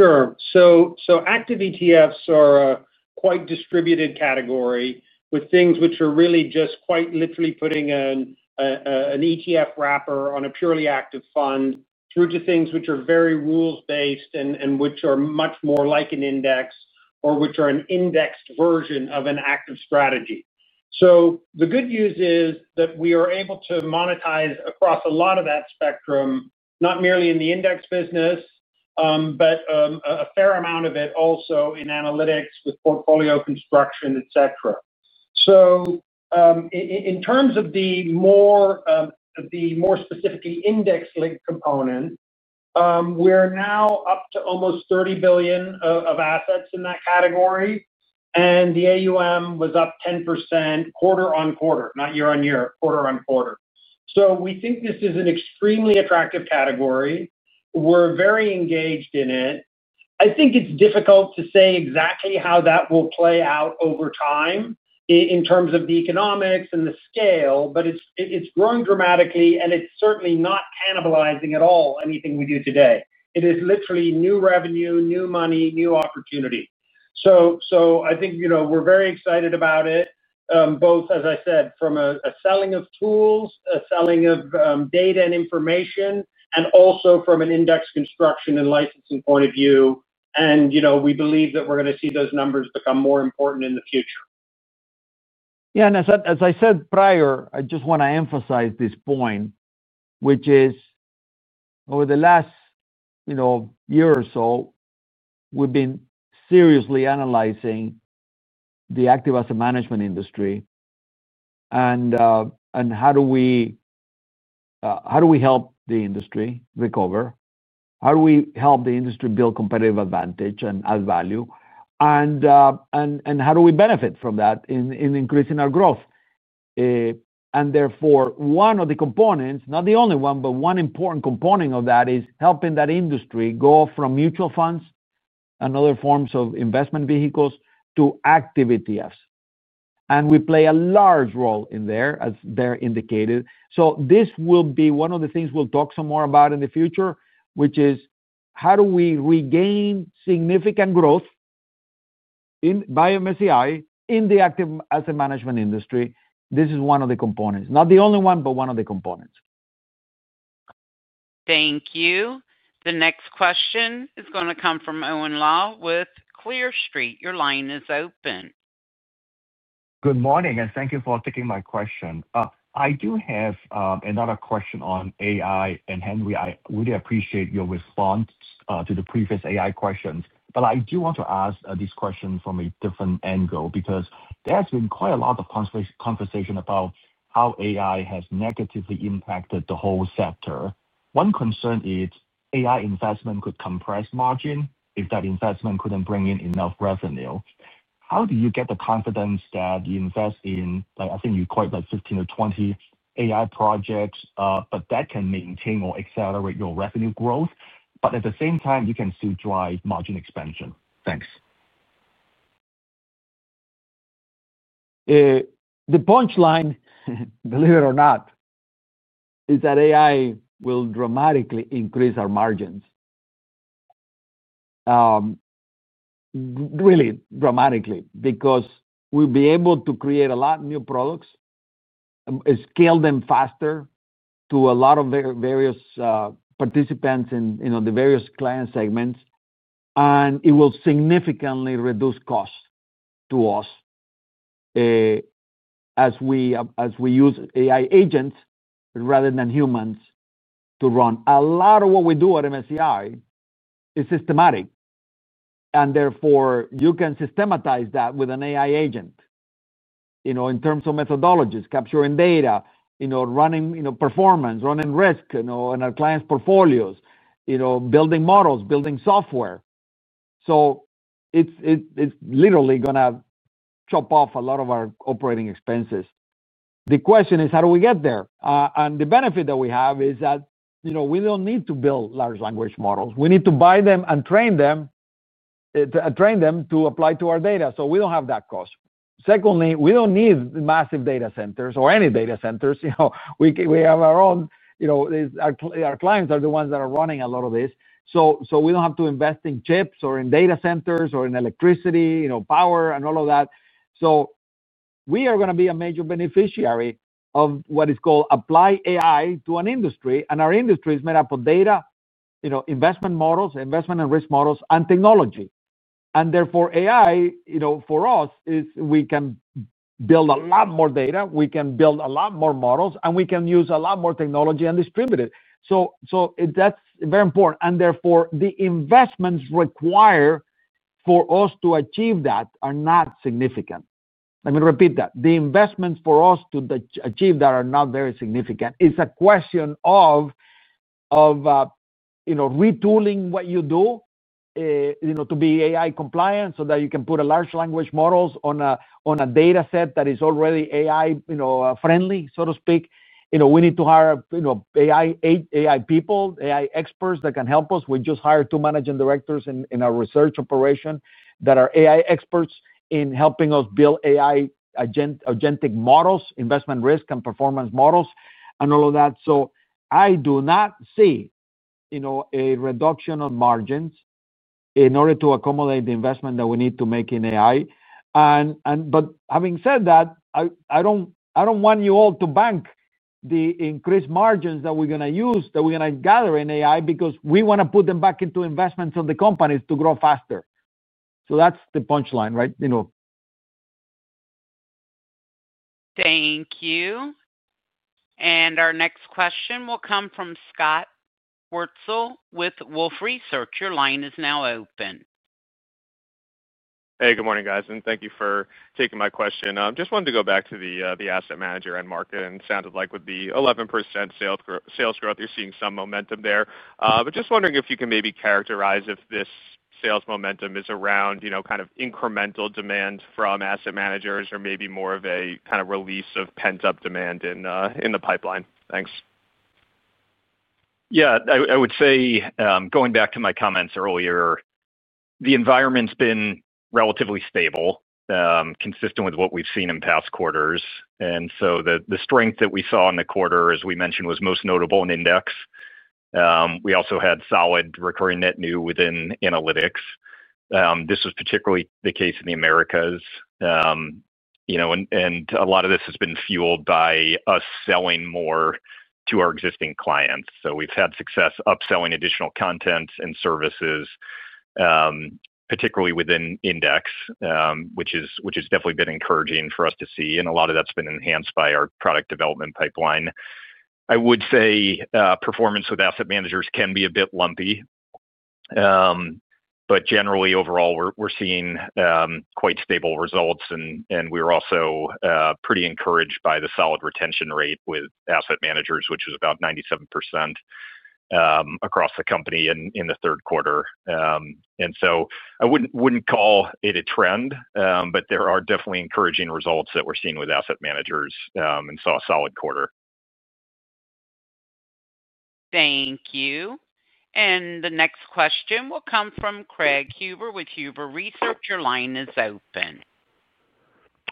[SPEAKER 4] Sure. Active ETFs are a quite distributed category with things which are really just quite literally putting an ETF wrapper on a purely active fund through to things which are very rules-based and which are much more like an index or which are an indexed version of an active strategy. The good news is that we are able to monetize across a lot of that spectrum, not merely in the index business, but a fair amount of it also in Analytics with portfolio construction, etc. In terms of the more specifically index-linked component, we're now up to almost $30 billion of assets in that category. The AUM was up 10% quarter-on-quarter, not year-on-year, quarter-on-quarter. We think this is an extremely attractive category. We're very engaged in it. I think it's difficult to say exactly how that will play out over time in terms of the economics and the scale, but it's growing dramatically, and it's certainly not cannibalizing at all anything we do today. It is literally new revenue, new money, new opportunity. We're very excited about it, both, as I said, from a selling of tools, a selling of data and information, and also from an and licensing point of view. We believe that we're going to see those numbers become more important in the future.
[SPEAKER 3] Yeah. As I said prior, I just want to emphasize this point, which is over the last year or so, we've been seriously analyzing the active asset management industry and how do we help the industry recover, how do we help the industry build competitive advantage and add value, and how do we benefit from that in increasing our growth. Therefore, one of the components, not the only one, but one important component of that is helping that industry go from mutual funds and other forms of investment vehicles to active ETFs. We play a large role in there, as Baer indicated. This will be one of the things we'll talk some more about in the future, which is how do we regain significant growth by MSCI in the active asset management industry. This is one of the components, not the only one, but one of the components.
[SPEAKER 1] Thank you. The next question is going to come from Owen Lau with Clear Street. Your line is open.
[SPEAKER 12] Good morning, and thank you for taking my question. I do have another question on AI, and Henry, I really appreciate your response to the previous AI questions. I do want to ask this question from a different angle because there has been quite a lot of conversation about how AI has negatively impacted the whole sector. One concern is AI investment could compress margin if that investment couldn't bring in enough revenue. How do you get the confidence that you invest in, like I think you quoted like 15 AI projects-20 AI projects, but that can maintain or accelerate your revenue growth, but at the same time, you can still drive margin expansion?
[SPEAKER 3] Thanks. The punchline, believe it or not, is that AI will dramatically increase our margins, really dramatically, because we'll be able to create a lot of new products, scale them faster to a lot of various participants in the various client segments, and it will significantly reduce costs to us as we use AI agents rather than humans to run. A lot of what we do at MSCI is systematic, and therefore, you can systematize that with an AI agent, in terms of methodologies, capturing data, running performance, running risk in our clients' portfolios, building models, building software. It's literally going to chop off a lot of our operating expenses. The question is how do we get there? The benefit that we have is that we don't need to build large language models. We need to buy them and train them to apply to our data. We don't have that cost. Secondly, we don't need massive data centers or any data centers. We have our own, our clients are the ones that are running a lot of this. We don't have to invest in chips or in data centers or in electricity, power, and all of that. We are going to be a major beneficiary of what is called apply AI to an industry, and our industry is made up of data, investment models, investment and risk models, and technology. Therefore, AI for us is we can build a lot more data, we can build a lot more models, and we can use a lot more technology and distribute it. That's very important. Therefore, the investments required for us to achieve that are not significant. Let me repeat that. The investments for us to achieve that are not very significant. It's a question of retooling what you do to be AI compliant so that you can put large language models on a dataset that is already AI-friendly, so to speak. We need to hire AI people, AI experts that can help us. We just hired two managing directors in our research operation that are AI experts in helping us build AI agentic models, investment risk, and performance models, and all of that. I do not see a reduction of margins in order to accommodate the investment that we need to make in AI. I don't want you all to bank the increased margins that we're going to use, that we're going to gather in AI because we want to put them back into investments of the companies to grow faster. That's the punchline, right?
[SPEAKER 1] Thank you. Our next question will come from Scott Wurtzel with Wolfe Research. Your line is now open.
[SPEAKER 13] Hey, good morning, guys, and thank you for taking my question. I just wanted to go back to the asset manager end market, and it sounded like with the 11% sales growth, you're seeing some momentum there. I'm just wondering if you can maybe characterize if this sales momentum is around, you know, kind of incremental demand from asset managers or maybe more of a kind of release of pent-up demand in the pipeline. Thanks.
[SPEAKER 5] Yeah. I would say, going back to my comments earlier, the environment's been relatively stable, consistent with what we've seen in past quarters. The strength that we saw in the quarter, as we mentioned, was most notable in Index. We also had solid recurring net new within Analytics. This was particularly the case in the Americas. A lot of this has been fueled by us selling more to our existing clients. We've had success upselling additional content and services, particularly within index, which has definitely been encouraging for us to see. A lot of that's been enhanced by our product development pipeline. I would say performance with asset managers can be a bit lumpy, but generally, overall, we're seeing quite stable results, and we're also pretty encouraged by the solid retention rate with asset managers, which was about 97% across the company in the third quarter. I wouldn't call it a trend, but there are definitely encouraging results that we're seeing with asset managers and saw a solid quarter.
[SPEAKER 1] Thank you. The next question will come from Craig Huber with Huber Research. Your line is open.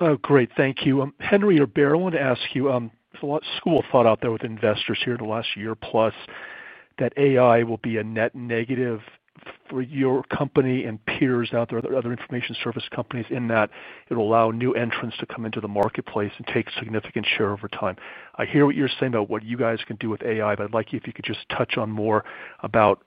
[SPEAKER 14] Oh, great. Thank you. Henry or Baer, I want to ask you, there's a lot of school of thought out there with investors here in the last year plus that AI will be a net negative for your company and peers out there, other information service companies, in that it'll allow new entrants to come into the marketplace and take a significant share over time. I hear what you're saying about what you guys can do with AI, but I'd like you if you could just touch on more about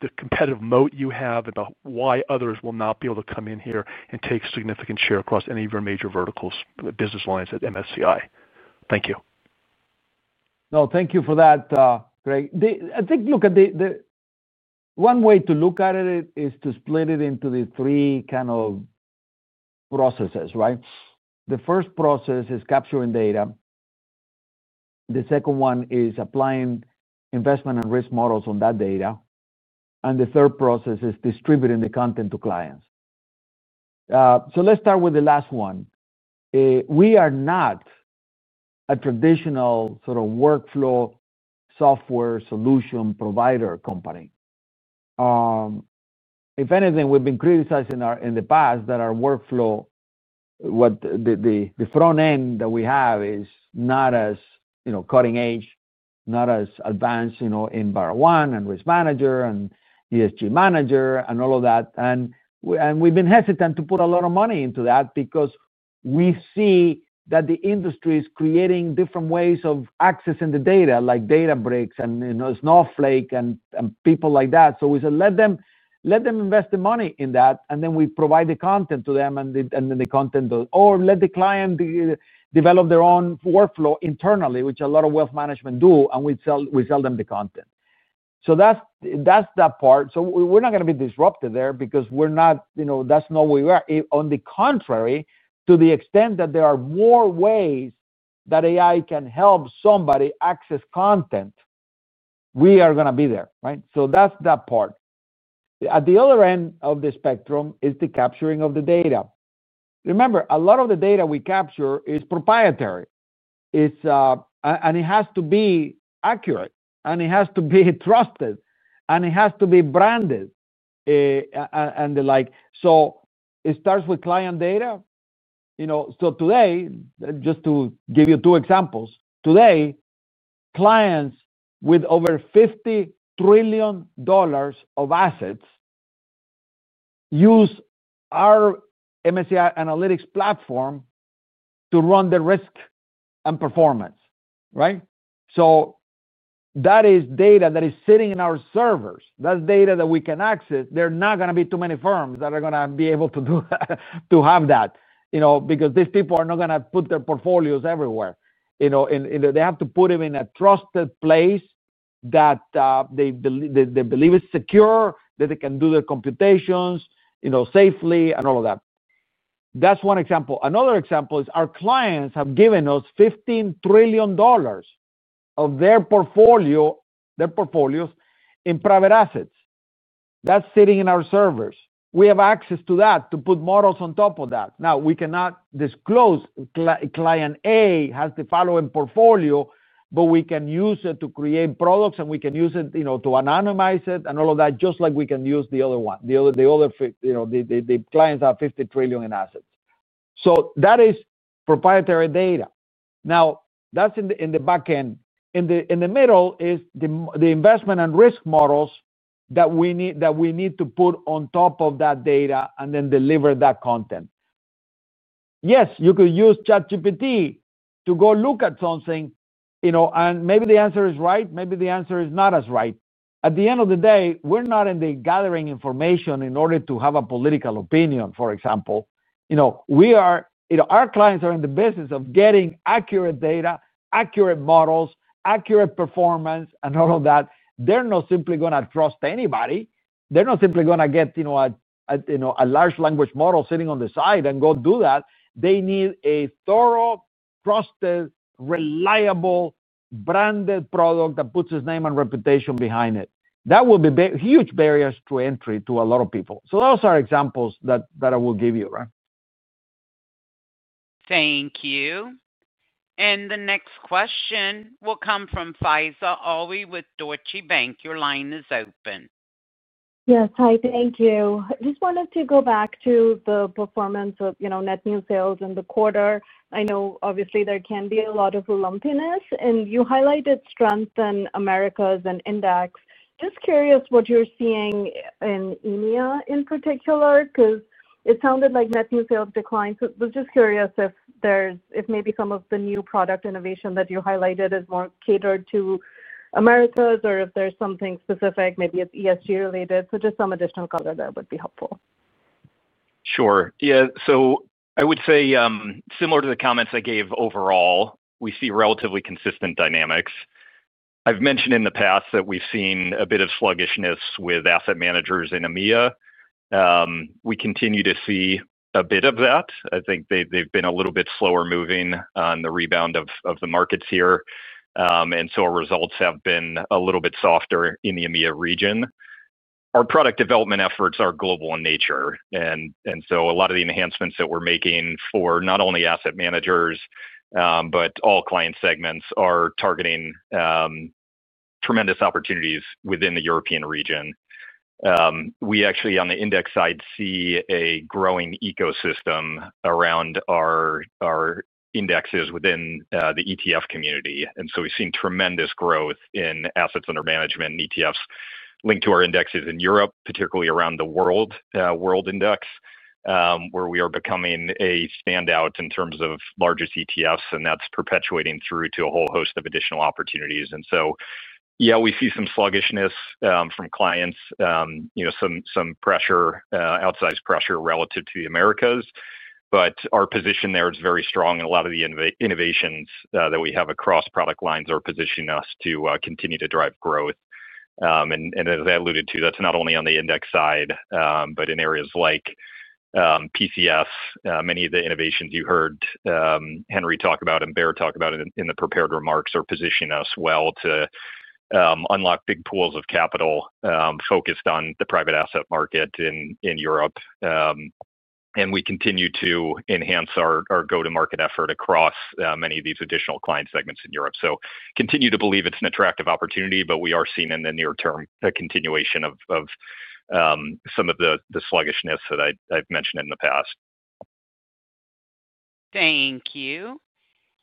[SPEAKER 14] the competitive moat you have and about why others will not be able to come in here and take a significant share across any of your major verticals, business lines at MSCI. Thank you.
[SPEAKER 3] No, thank you for that, Craig. I think, look, one way to look at it is to split it into the three kind of processes, right? The first process is capturing data. The second one is applying investment and risk models on that data. The third process is distributing the content to clients. Let's start with the last one. We are not a traditional sort of workflow software solution provider company. If anything, we've been criticized in the past that our workflow, what the front end that we have is not as, you know, cutting-edge, not as advanced, you know, in BarraOne and Risk Manager and ESG Manager and all of that. We've been hesitant to put a lot of money into that because we see that the industry is creating different ways of accessing the data, like Databricks and Snowflake and people like that. We said, let them invest the money in that, and then we provide the content to them and then the content or let the client develop their own workflow internally, which a lot of wealth managers do, and we sell them the content. That's that part. We are not going to be disruptive there because that's not where we are. On the contrary, to the extent that there are more ways that AI can help somebody access content, we are going to be there, right? That's that part. At the other end of the spectrum is the capturing of the data. Remember, a lot of the data we capture is proprietary, and it has to be accurate, and it has to be trusted, and it has to be branded and the like. It starts with client data. Today, just to give you two examples, today, clients with over $50 trillion of assets use our MSCI analytics platform to run the risk and performance, right? That is data that is sitting in our servers. That's data that we can access. There are not going to be too many firms that are going to be able to do that, to have that, because these people are not going to put their portfolios everywhere. They have to put them in a trusted place that they believe is secure, that they can do their computations safely and all of that. That's one example. Another example is our clients have given us $15 trillion of their portfolios in private assets. That's sitting in our servers. We have access to that to put models on top of that. Now, we cannot disclose client A has the following portfolio, but we can use it to create products, and we can use it, you know, to anonymize it and all of that, just like we can use the other one, the other, you know, the clients that have $50 trillion in assets. That is proprietary data. In the middle is the investment and risk models that we need to put on top of that data and then deliver that content. Yes, you could use ChatGPT to go look at something, you know, and maybe the answer is right, maybe the answer is not as right. At the end of the day, we're not in the gathering information in order to have a political opinion, for example. Our clients are in the business of getting accurate data, accurate models, accurate performance, and all of that. They're not simply going to trust anybody. They're not simply going to get, you know, a large language model sitting on the side and go do that. They need a thorough, trusted, reliable, branded product that puts its name and reputation behind it. That will be huge barriers to entry to a lot of people. Those are examples that I will give you, right?
[SPEAKER 1] Thank you. The next question will come from Faiza Alwy with Deutsche Bank. Your line is open.
[SPEAKER 15] Yes. Hi. Thank you. I just wanted to go back to the performance of net new sales in the quarter. I know, obviously, there can be a lot of lumpiness, and you highlighted strength in Americas and index. I am curious what you're seeing in EMEA in particular because it sounded like net new sales declined. I was just curious if maybe some of the new product innovation that you highlighted is more catered to Americas or if there's something specific, maybe it's ESG related. Just some additional color there would be helpful.
[SPEAKER 5] Sure. Yeah. I would say similar to the comments I gave, overall, we see relatively consistent dynamics. I've mentioned in the past that we've seen a bit of sluggishness with asset managers in EMEA. We continue to see a bit of that. I think they've been a little bit slower moving on the rebound of the markets here, and our results have been a little bit softer in the EMEA region. Our product development efforts are global in nature, and a lot of the enhancements that we're making for not only asset managers, but all client segments are targeting tremendous opportunities within the European region. We actually, on the Index side, see a growing ecosystem around our indices within the ETF community. We've seen tremendous growth in assets under management and ETFs linked to our indices in Europe, particularly around the World Index, where we are becoming a standout in terms of largest ETFs, and that's perpetuating through to a whole host of additional opportunities. We see some sluggishness from clients, some pressure, outsized pressure relative to the Americas, but our position there is very strong, and a lot of the innovations that we have across product lines are positioning us to continue to drive growth. As I alluded to, that's not only on the index side, but in areas like PCS, many of the innovations you heard Henry Fernandez talk about and Baer Pettit talk about in the prepared remarks are positioning us well to unlock big pools of capital focused on the private asset market in Europe. We continue to enhance our go-to-market effort across many of these additional client segments in Europe. I continue to believe it's an attractive opportunity, but we are seeing in the near term a continuation of some of the sluggishness that I've mentioned in the past.
[SPEAKER 1] Thank you.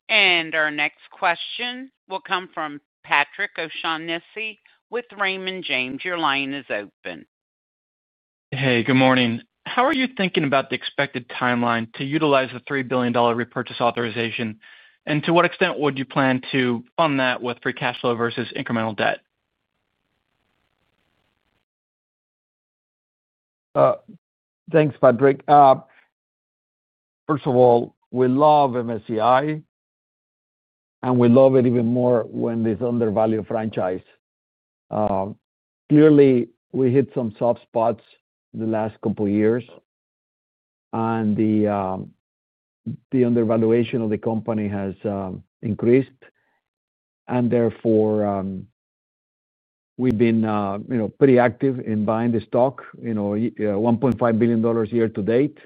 [SPEAKER 1] Our next question will come from Patrick O'Shaughnessy with Raymond James. Your line is open.
[SPEAKER 16] Hey, good morning. How are you thinking about the expected timeline to utilize the $3 billion repurchase authorization, and to what extent would you plan to fund that with free cash flow versus incremental debt?
[SPEAKER 3] Thanks, Patrick. First of all, we love MSCI, and we love it even more when it's an undervalued franchise. Clearly, we hit some soft spots the last couple of years, and the undervaluation of the company has increased. Therefore, we've been pretty active in buying the stock, $1.5 billion year-to-date.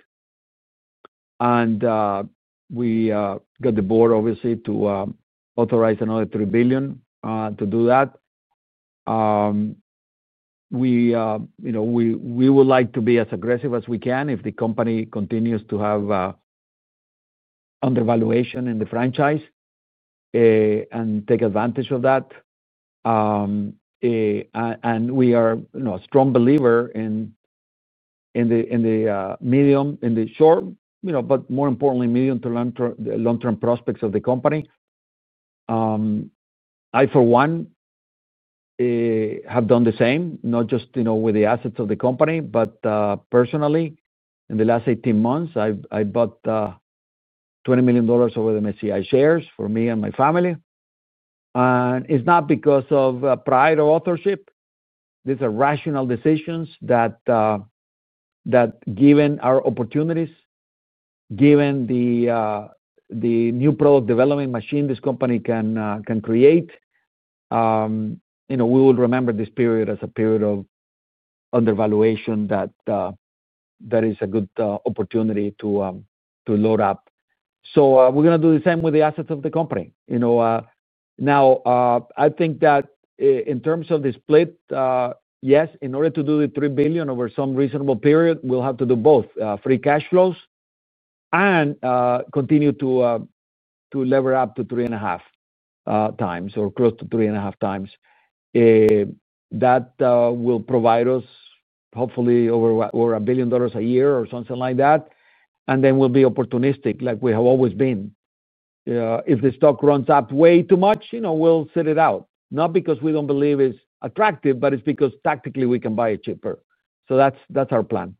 [SPEAKER 3] We got the board, obviously, to authorize another $3 billion to do that. We would like to be as aggressive as we can if the company continues to have undervaluation in the franchise and take advantage of that. We are a strong believer in the medium, in the short, but more importantly, medium to long-term prospects of the company. I, for one, have done the same, not just with the assets of the company, but personally, in the last 18 months, I bought $20 million of MSCI shares for me and my family. It's not because of pride or authorship. These are rational decisions that, given our opportunities, given the new product development machine this company can create, we will remember this period as a period of undervaluation that is a good opportunity to load up. We're going to do the same with the assets of the company. Now, I think that in terms of the split, yes, in order to do the $3 billion over some reasonable period, we'll have to do both free cash flows and continue to lever up to three and a half times or close to three and a half times. That will provide us, hopefully, over $1 billion a year or something like that. We'll be opportunistic like we have always been. If the stock runs up way too much, we'll sit it out, not because we don't believe it's attractive, but because tactically we can buy it cheaper. That's our plan.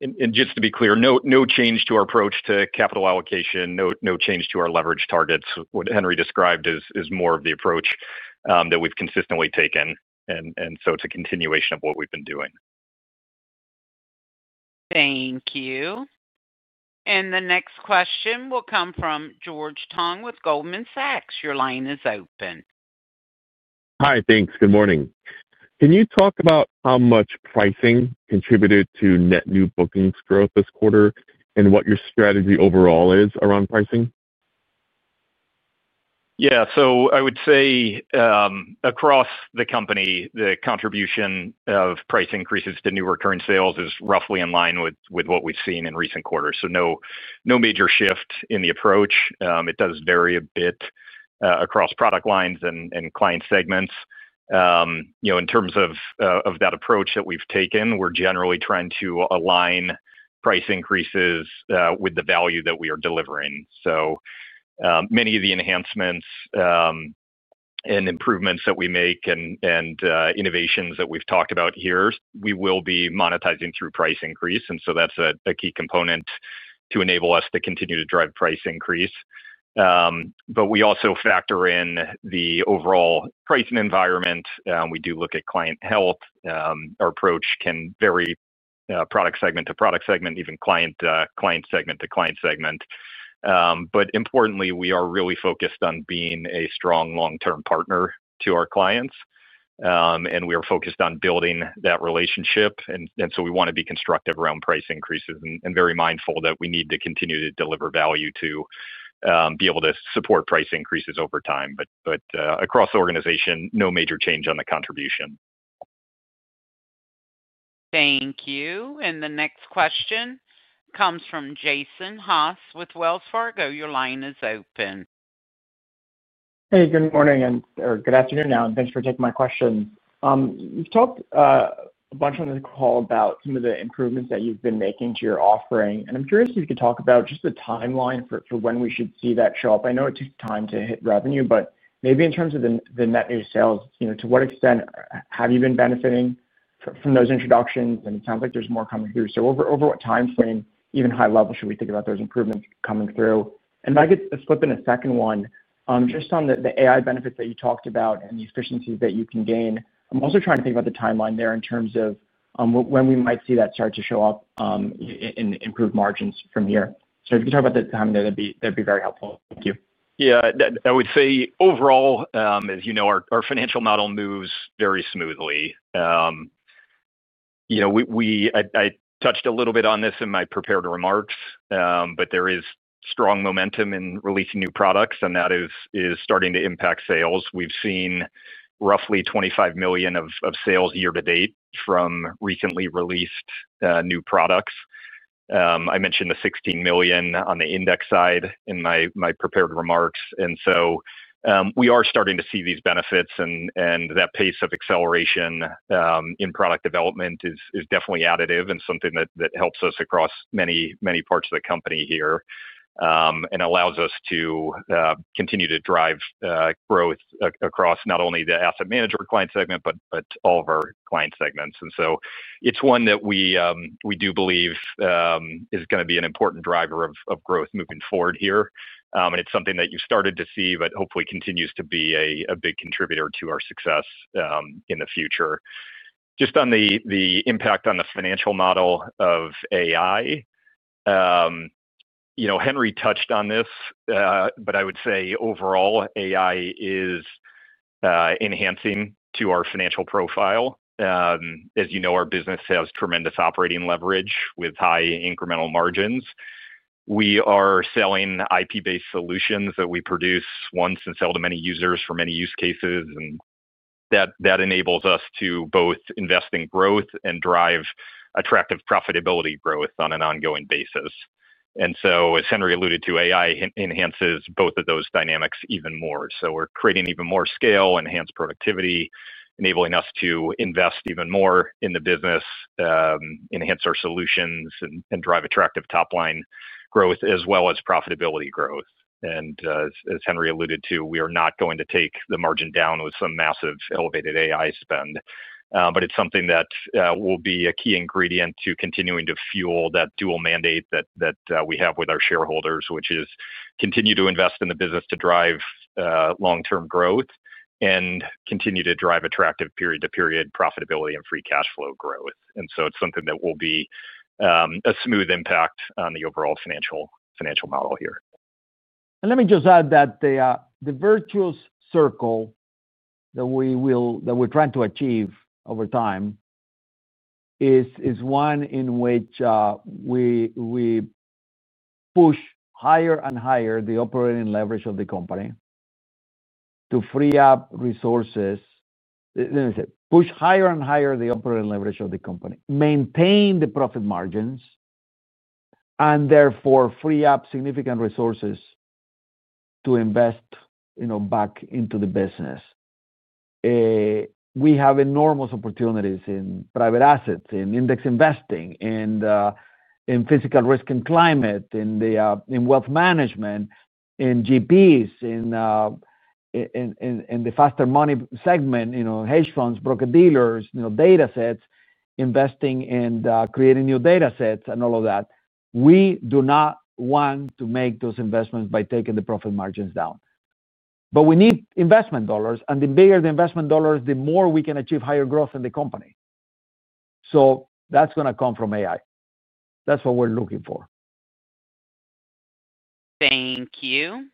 [SPEAKER 5] There is no change to our approach to capital allocation, no change to our leverage targets. What Henry described is more of the approach that we've consistently taken, and it is a continuation of what we've been doing.
[SPEAKER 1] Thank you. The next question will come from George Tong with Goldman Sachs. Your line is open.
[SPEAKER 17] Hi. Thanks. Good morning. Can you talk about how much pricing contributed to net new bookings growth this quarter, and what your strategy overall is around pricing?
[SPEAKER 5] Yeah. I would say across the company, the contribution of price increases to new recurring sales is roughly in line with what we've seen in recent quarters. There is no major shift in the approach. It does vary a bit across product lines and client segments. In terms of that approach that we've taken, we're generally trying to align price increases with the value that we are delivering. Many of the enhancements and improvements that we make and innovations that we've talked about here, we will be monetizing through price increase. That's a key component to enable us to continue to drive price increase. We also factor in the overall pricing environment. We do look at client health. Our approach can vary product segment to product segment, even client segment to client segment. Importantly, we are really focused on being a strong long-term partner to our clients, and we are focused on building that relationship. We want to be constructive around price increases and very mindful that we need to continue to deliver value to be able to support price increases over time. Across the organization, there is no major change on the contribution.
[SPEAKER 1] Thank you. The next question comes from Jason Haas with Wells Fargo. Your line is open.
[SPEAKER 18] Hey, good morning and or good afternoon now, and thanks for taking my questions. You've talked a bunch on this call about some of the improvements that you've been making to your offering, and I'm curious if you could talk about just the timeline for when we should see that show up. I know it took time to hit revenue, but maybe in terms of the net new sales, to what extent have you been benefiting from those introductions? It sounds like there's more coming through. Over what timeframe, even high level, should we think about those improvements coming through? If I could slip in a second one, just on the AI benefits that you talked about and the efficiencies that you can gain, I'm also trying to think about the timeline there in terms of when we might see that start to show up in improved margins from here. If you could talk about the timeline, that'd be very helpful. Thank you.
[SPEAKER 5] Yeah. I would say overall, as you know, our financial model moves very smoothly. I touched a little bit on this in my prepared remarks, but there is strong momentum in releasing new products, and that is starting to impact sales. We've seen roughly $25 million of sales year to date from recently released new products. I mentioned the $16 million on the Index side in my prepared remarks. We are starting to see these benefits, and that pace of acceleration in product development is definitely additive and something that helps us across many parts of the company here, and allows us to continue to drive growth across not only the asset management client segment but all of our client segments. It's one that we do believe is going to be an important driver of growth moving forward here. It's something that you started to see but hopefully continues to be a big contributor to our success in the future. Just on the impact on the financial model of AI, you know, Henry touched on this, but I would say overall, AI is enhancing to our financial profile. As you know, our business has tremendous operating leverage with high incremental margins. We are selling IP-based solutions that we produce once and sell to many users for many use cases, and that enables us to both invest in growth and drive attractive profitability growth on an ongoing basis. As Henry alluded to, AI enhances both of those dynamics even more. We're creating even more scale, enhanced productivity, enabling us to invest even more in the business, enhance our solutions, and drive attractive top line growth as well as profitability growth. As Henry alluded to, we are not going to take the margin down with some massive elevated AI spend. It's something that will be a key ingredient to continuing to fuel that dual mandate that we have with our shareholders, which is continue to invest in the business to drive long-term growth and continue to drive attractive period-to-period profitability and free cash flow growth. It's something that will be a smooth impact on the overall financial model here.
[SPEAKER 3] Let me just add that the virtuous circle that we're trying to achieve over time is one in which we push higher and higher the operating leverage of the company to free up resources. Let me say it. Push higher and higher the operating leverage of the company, maintain the profit margins, and therefore free up significant resources to invest back into the business. We have enormous opportunities in private assets, in index investing, in physical risk and climate, in wealth management, in GPs, in the faster money segment, hedge funds, broker dealers, data sets, investing in creating new data sets and all of that. We do not want to make those investments by taking the profit margins down. We need investment dollars, and the bigger the investment dollars, the more we can achieve higher growth in the company. That is going to come from AI. That is what we're looking for.
[SPEAKER 1] Thank you.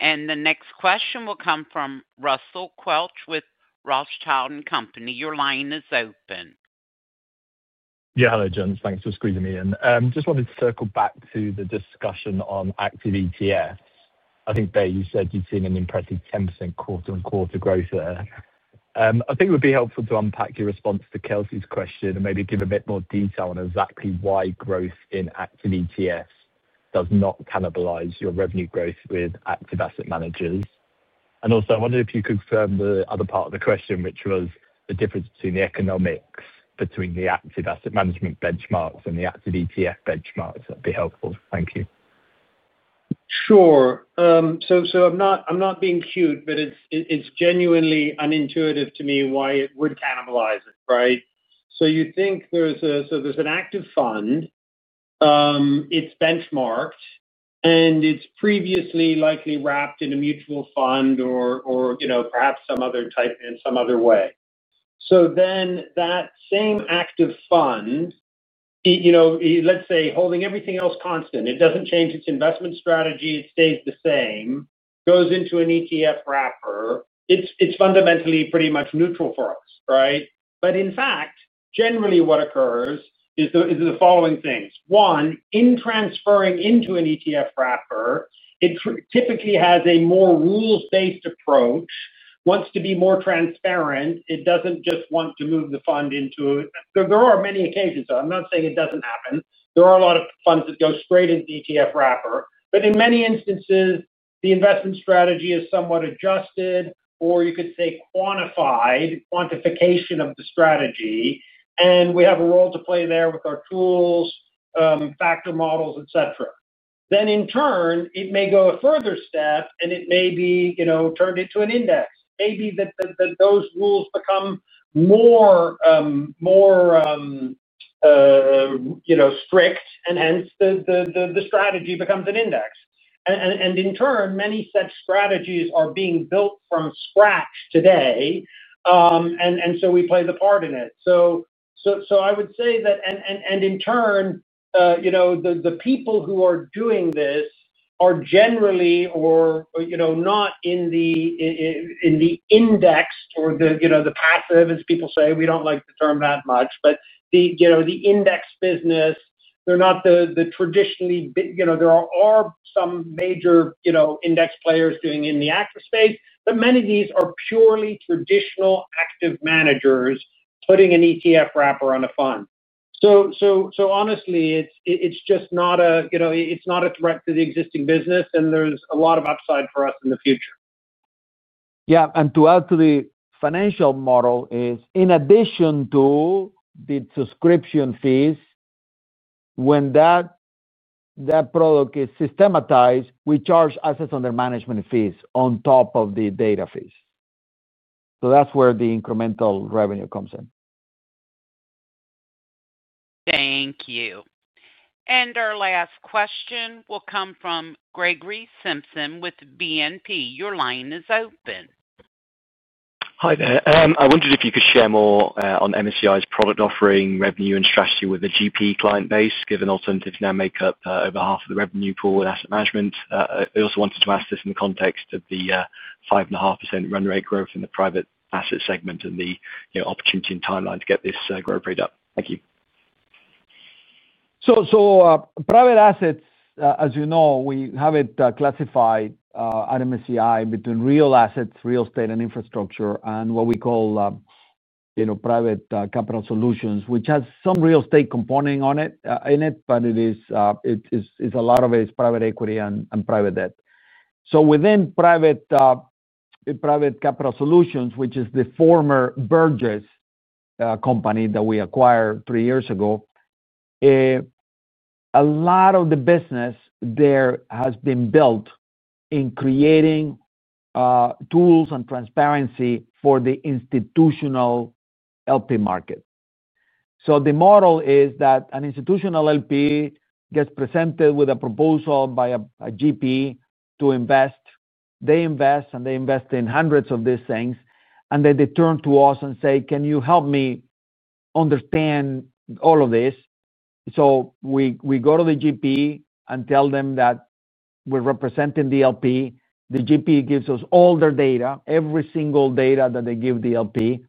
[SPEAKER 1] The next question will come from Russell Quelch with Rothschild & Company. Your line is open.
[SPEAKER 19] Jalal and Jones, thanks for squeezing me in. I just wanted to circle back to the discussion on active ETFs. I think, Ben, you said you'd seen an impressive 10% quarter on quarter growth there. I think it would be helpful to unpack your response to Kelsey's question and maybe give a bit more detail on exactly why growth in active ETFs does not cannibalize your revenue growth with active asset managers. I also wonder if you could confirm the other part of the question, which was the difference between the economics between the active asset management benchmarks and the active ETF benchmarks. That'd be helpful. Thank you.
[SPEAKER 4] Sure. I'm not being cute, but it's genuinely unintuitive to me why it would cannibalize it, right? You think there's an active fund, it's benchmarked, and it's previously likely wrapped in a mutual fund or, you know, perhaps some other type in some other way. That same active fund, let's say holding everything else constant, doesn't change its investment strategy. It stays the same, goes into an ETF wrapper. It's fundamentally pretty much neutral for us, right? In fact, generally, what occurs is the following things. One, in transferring into an ETF wrapper, it typically has a more rules-based approach, wants to be more transparent. It doesn't just want to move the fund into a—there are many occasions. I'm not saying it doesn't happen. There are a lot of funds that go straight into the ETF wrapper. In many instances, the investment strategy is somewhat adjusted or you could say quantified, quantification of the strategy, and we have a role to play there with our tools, factor models, etcetera. In turn, it may go a further step, and it may be, you know, turned into an index. Maybe those rules become more strict, and hence the strategy becomes an index. In turn, many such strategies are being built from scratch today, and we play the part in it. I would say that, in turn, the people who are doing this are generally not in the indexed or the, you know, the passive, as people say. We don't like the term that much. The index business, they're not the—traditionally, there are some major index players doing in the active space, but many of these are purely traditional active managers putting an ETF wrapper on a fund. Honestly, it's just not a threat to the existing business, and there's a lot of upside for us in the future.
[SPEAKER 3] Yeah. To add to the financial model, in addition to the subscription fees, when that product is systematized, we charge assets under management fees on top of the data fees. That's where the incremental revenue comes in.
[SPEAKER 1] Thank you. Our last question will come from Gregory Simpson with BNP. Your line is open.
[SPEAKER 20] Hi, there. I wondered if you could share more on MSCI's product offering, revenue, and strategy with the GP client base, given alternatives now make up over half of the revenue pool in asset management. I also wanted to ask this in the context of the 5.5% run rate growth in the private asset segment and the opportunity and timeline to get this growth rate up. Thank you.
[SPEAKER 3] Private assets, as you know, we have it classified at MSCI between real assets, real estate, and infrastructure, and what we call Private Capital Solutions, which has some real estate component in it, but a lot of it is private equity and private debt. Within private capital solutions, which is the former Burgiss company that we acquired three years ago, a lot of the business there has been built in creating tools and transparency for the institutional LP market. The model is that an institutional LP gets presented with a proposal by a GP to invest. They invest in hundreds of these things, and then they turn to us and say, "Can you help me understand all of this?" We go to the GP and tell them that we're representing the LP. The GP gives us all their data, every single data that they give the LP,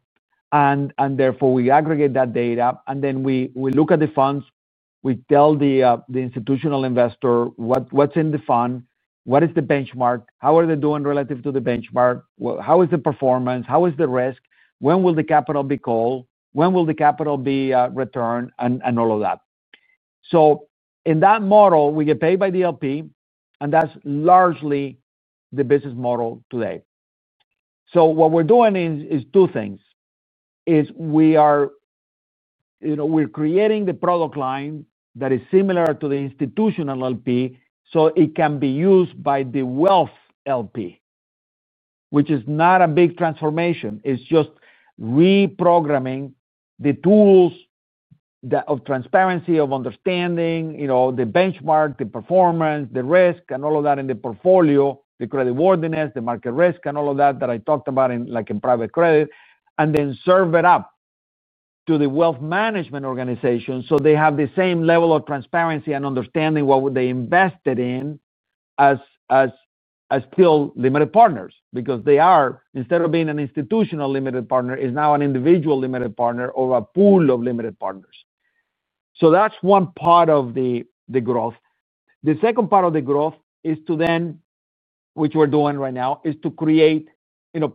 [SPEAKER 3] and therefore, we aggregate that data, and then we look at the funds. We tell the institutional investor what's in the fund, what is the benchmark, how are they doing relative to the benchmark, how is the performance, how is the risk, when will the capital be called, when will the capital be returned, and all of that. In that model, we get paid by the LP, and that's largely the business model today. What we're doing is two things. We are creating the product line that is similar to the institutional LP so it can be used by the wealth LP, which is not a big transformation. It's just reprogramming the tools of transparency, of understanding the benchmark, the performance, the risk, and all of that in the portfolio, the credit worthiness, the market risk, and all of that that I talked about in private credit, and then serve it up to the wealth management organization so they have the same level of transparency and understanding of what they invested in as still limited partners because they are, instead of being an institutional limited partner, now an individual limited partner or a pool of limited partners. That's one part of the growth. The second part of the growth is to then, which we're doing right now, create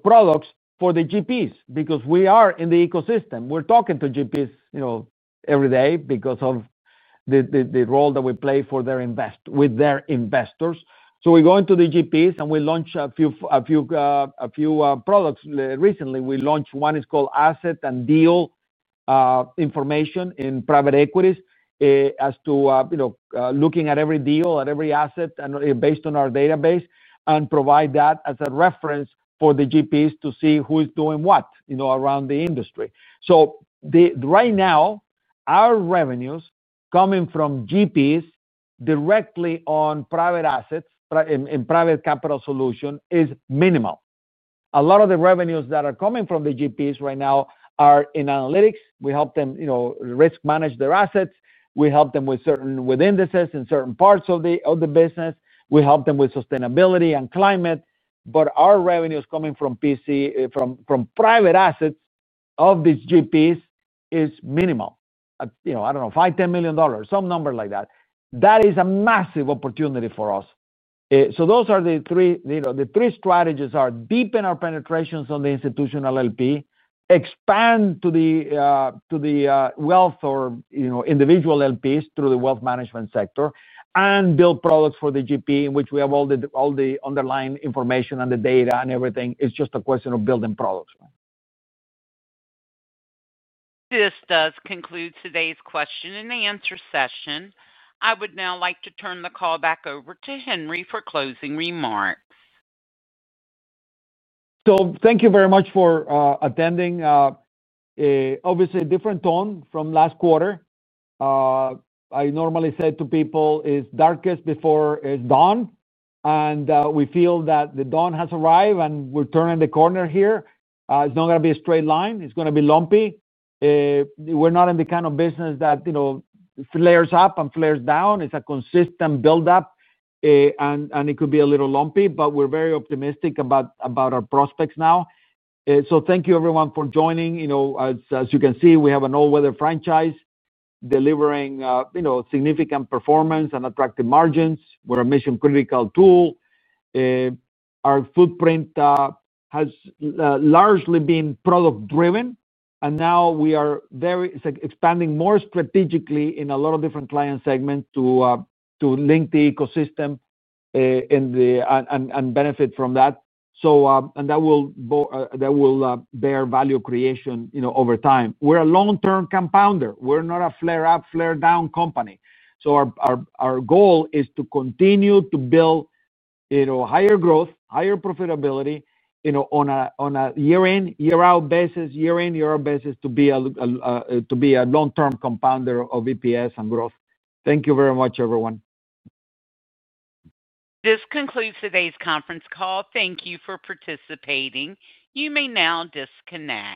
[SPEAKER 3] products for the GPs because we are in the ecosystem. We're talking to GPs every day because of the role that we play with their investors. We go into the GPs, and we launch a few products. Recently, we launched one. It's called Asset and Deal Information in private equities, as to, you know, looking at every deal at every asset and based on our database and provide that as a reference for the GPs to see who's doing what, you know, around the industry. Right now, our revenues coming from GPs directly on private assets in private capital solution is minimal. A lot of the revenues that are coming from the GPs right now are in analytics. We help them, you know, risk manage their assets. We help them with certain indices in certain parts of the business. We help them with sustainability and climate. Our revenues coming from private assets of these GPs is minimal. You know, I don't know, $5 million, $10 million, some number like that. That is a massive opportunity for us. Those are the three, you know, the three strategies are deepen our penetrations on the institutional LP, expand to the wealth or, you know, individual LPs through the wealth management sector, and build products for the GP in which we have all the underlying information and the data and everything. It's just a question of building products.
[SPEAKER 1] This does conclude today's question and answer session. I would now like to turn the call back over to Henry for closing remarks.
[SPEAKER 3] Thank you very much for attending. Obviously, a different tone from last quarter. I normally say to people, it's darkest before it's dawn, and we feel that the dawn has arrived, and we're turning the corner here. It's not going to be a straight line. It's going to be lumpy. We're not in the kind of business that flares up and flares down. It's a consistent build-up, and it could be a little lumpy, but we're very optimistic about our prospects now. Thank you, everyone, for joining. As you can see, we have an all-weather franchise delivering significant performance and attractive margins. We're a mission-critical tool. Our footprint has largely been product-driven, and now we are expanding more strategically in a lot of different client segments to link the ecosystem and benefit from that. That will bear value creation over time. We're a long-term compounder. We're not a flare-up, flare-down company. Our goal is to continue to build higher growth, higher profitability on a year-in, year-out basis to be a long-term compounder of EPS and growth. Thank you very much, everyone.
[SPEAKER 1] This concludes today's conference call. Thank you for participating. You may now disconnect.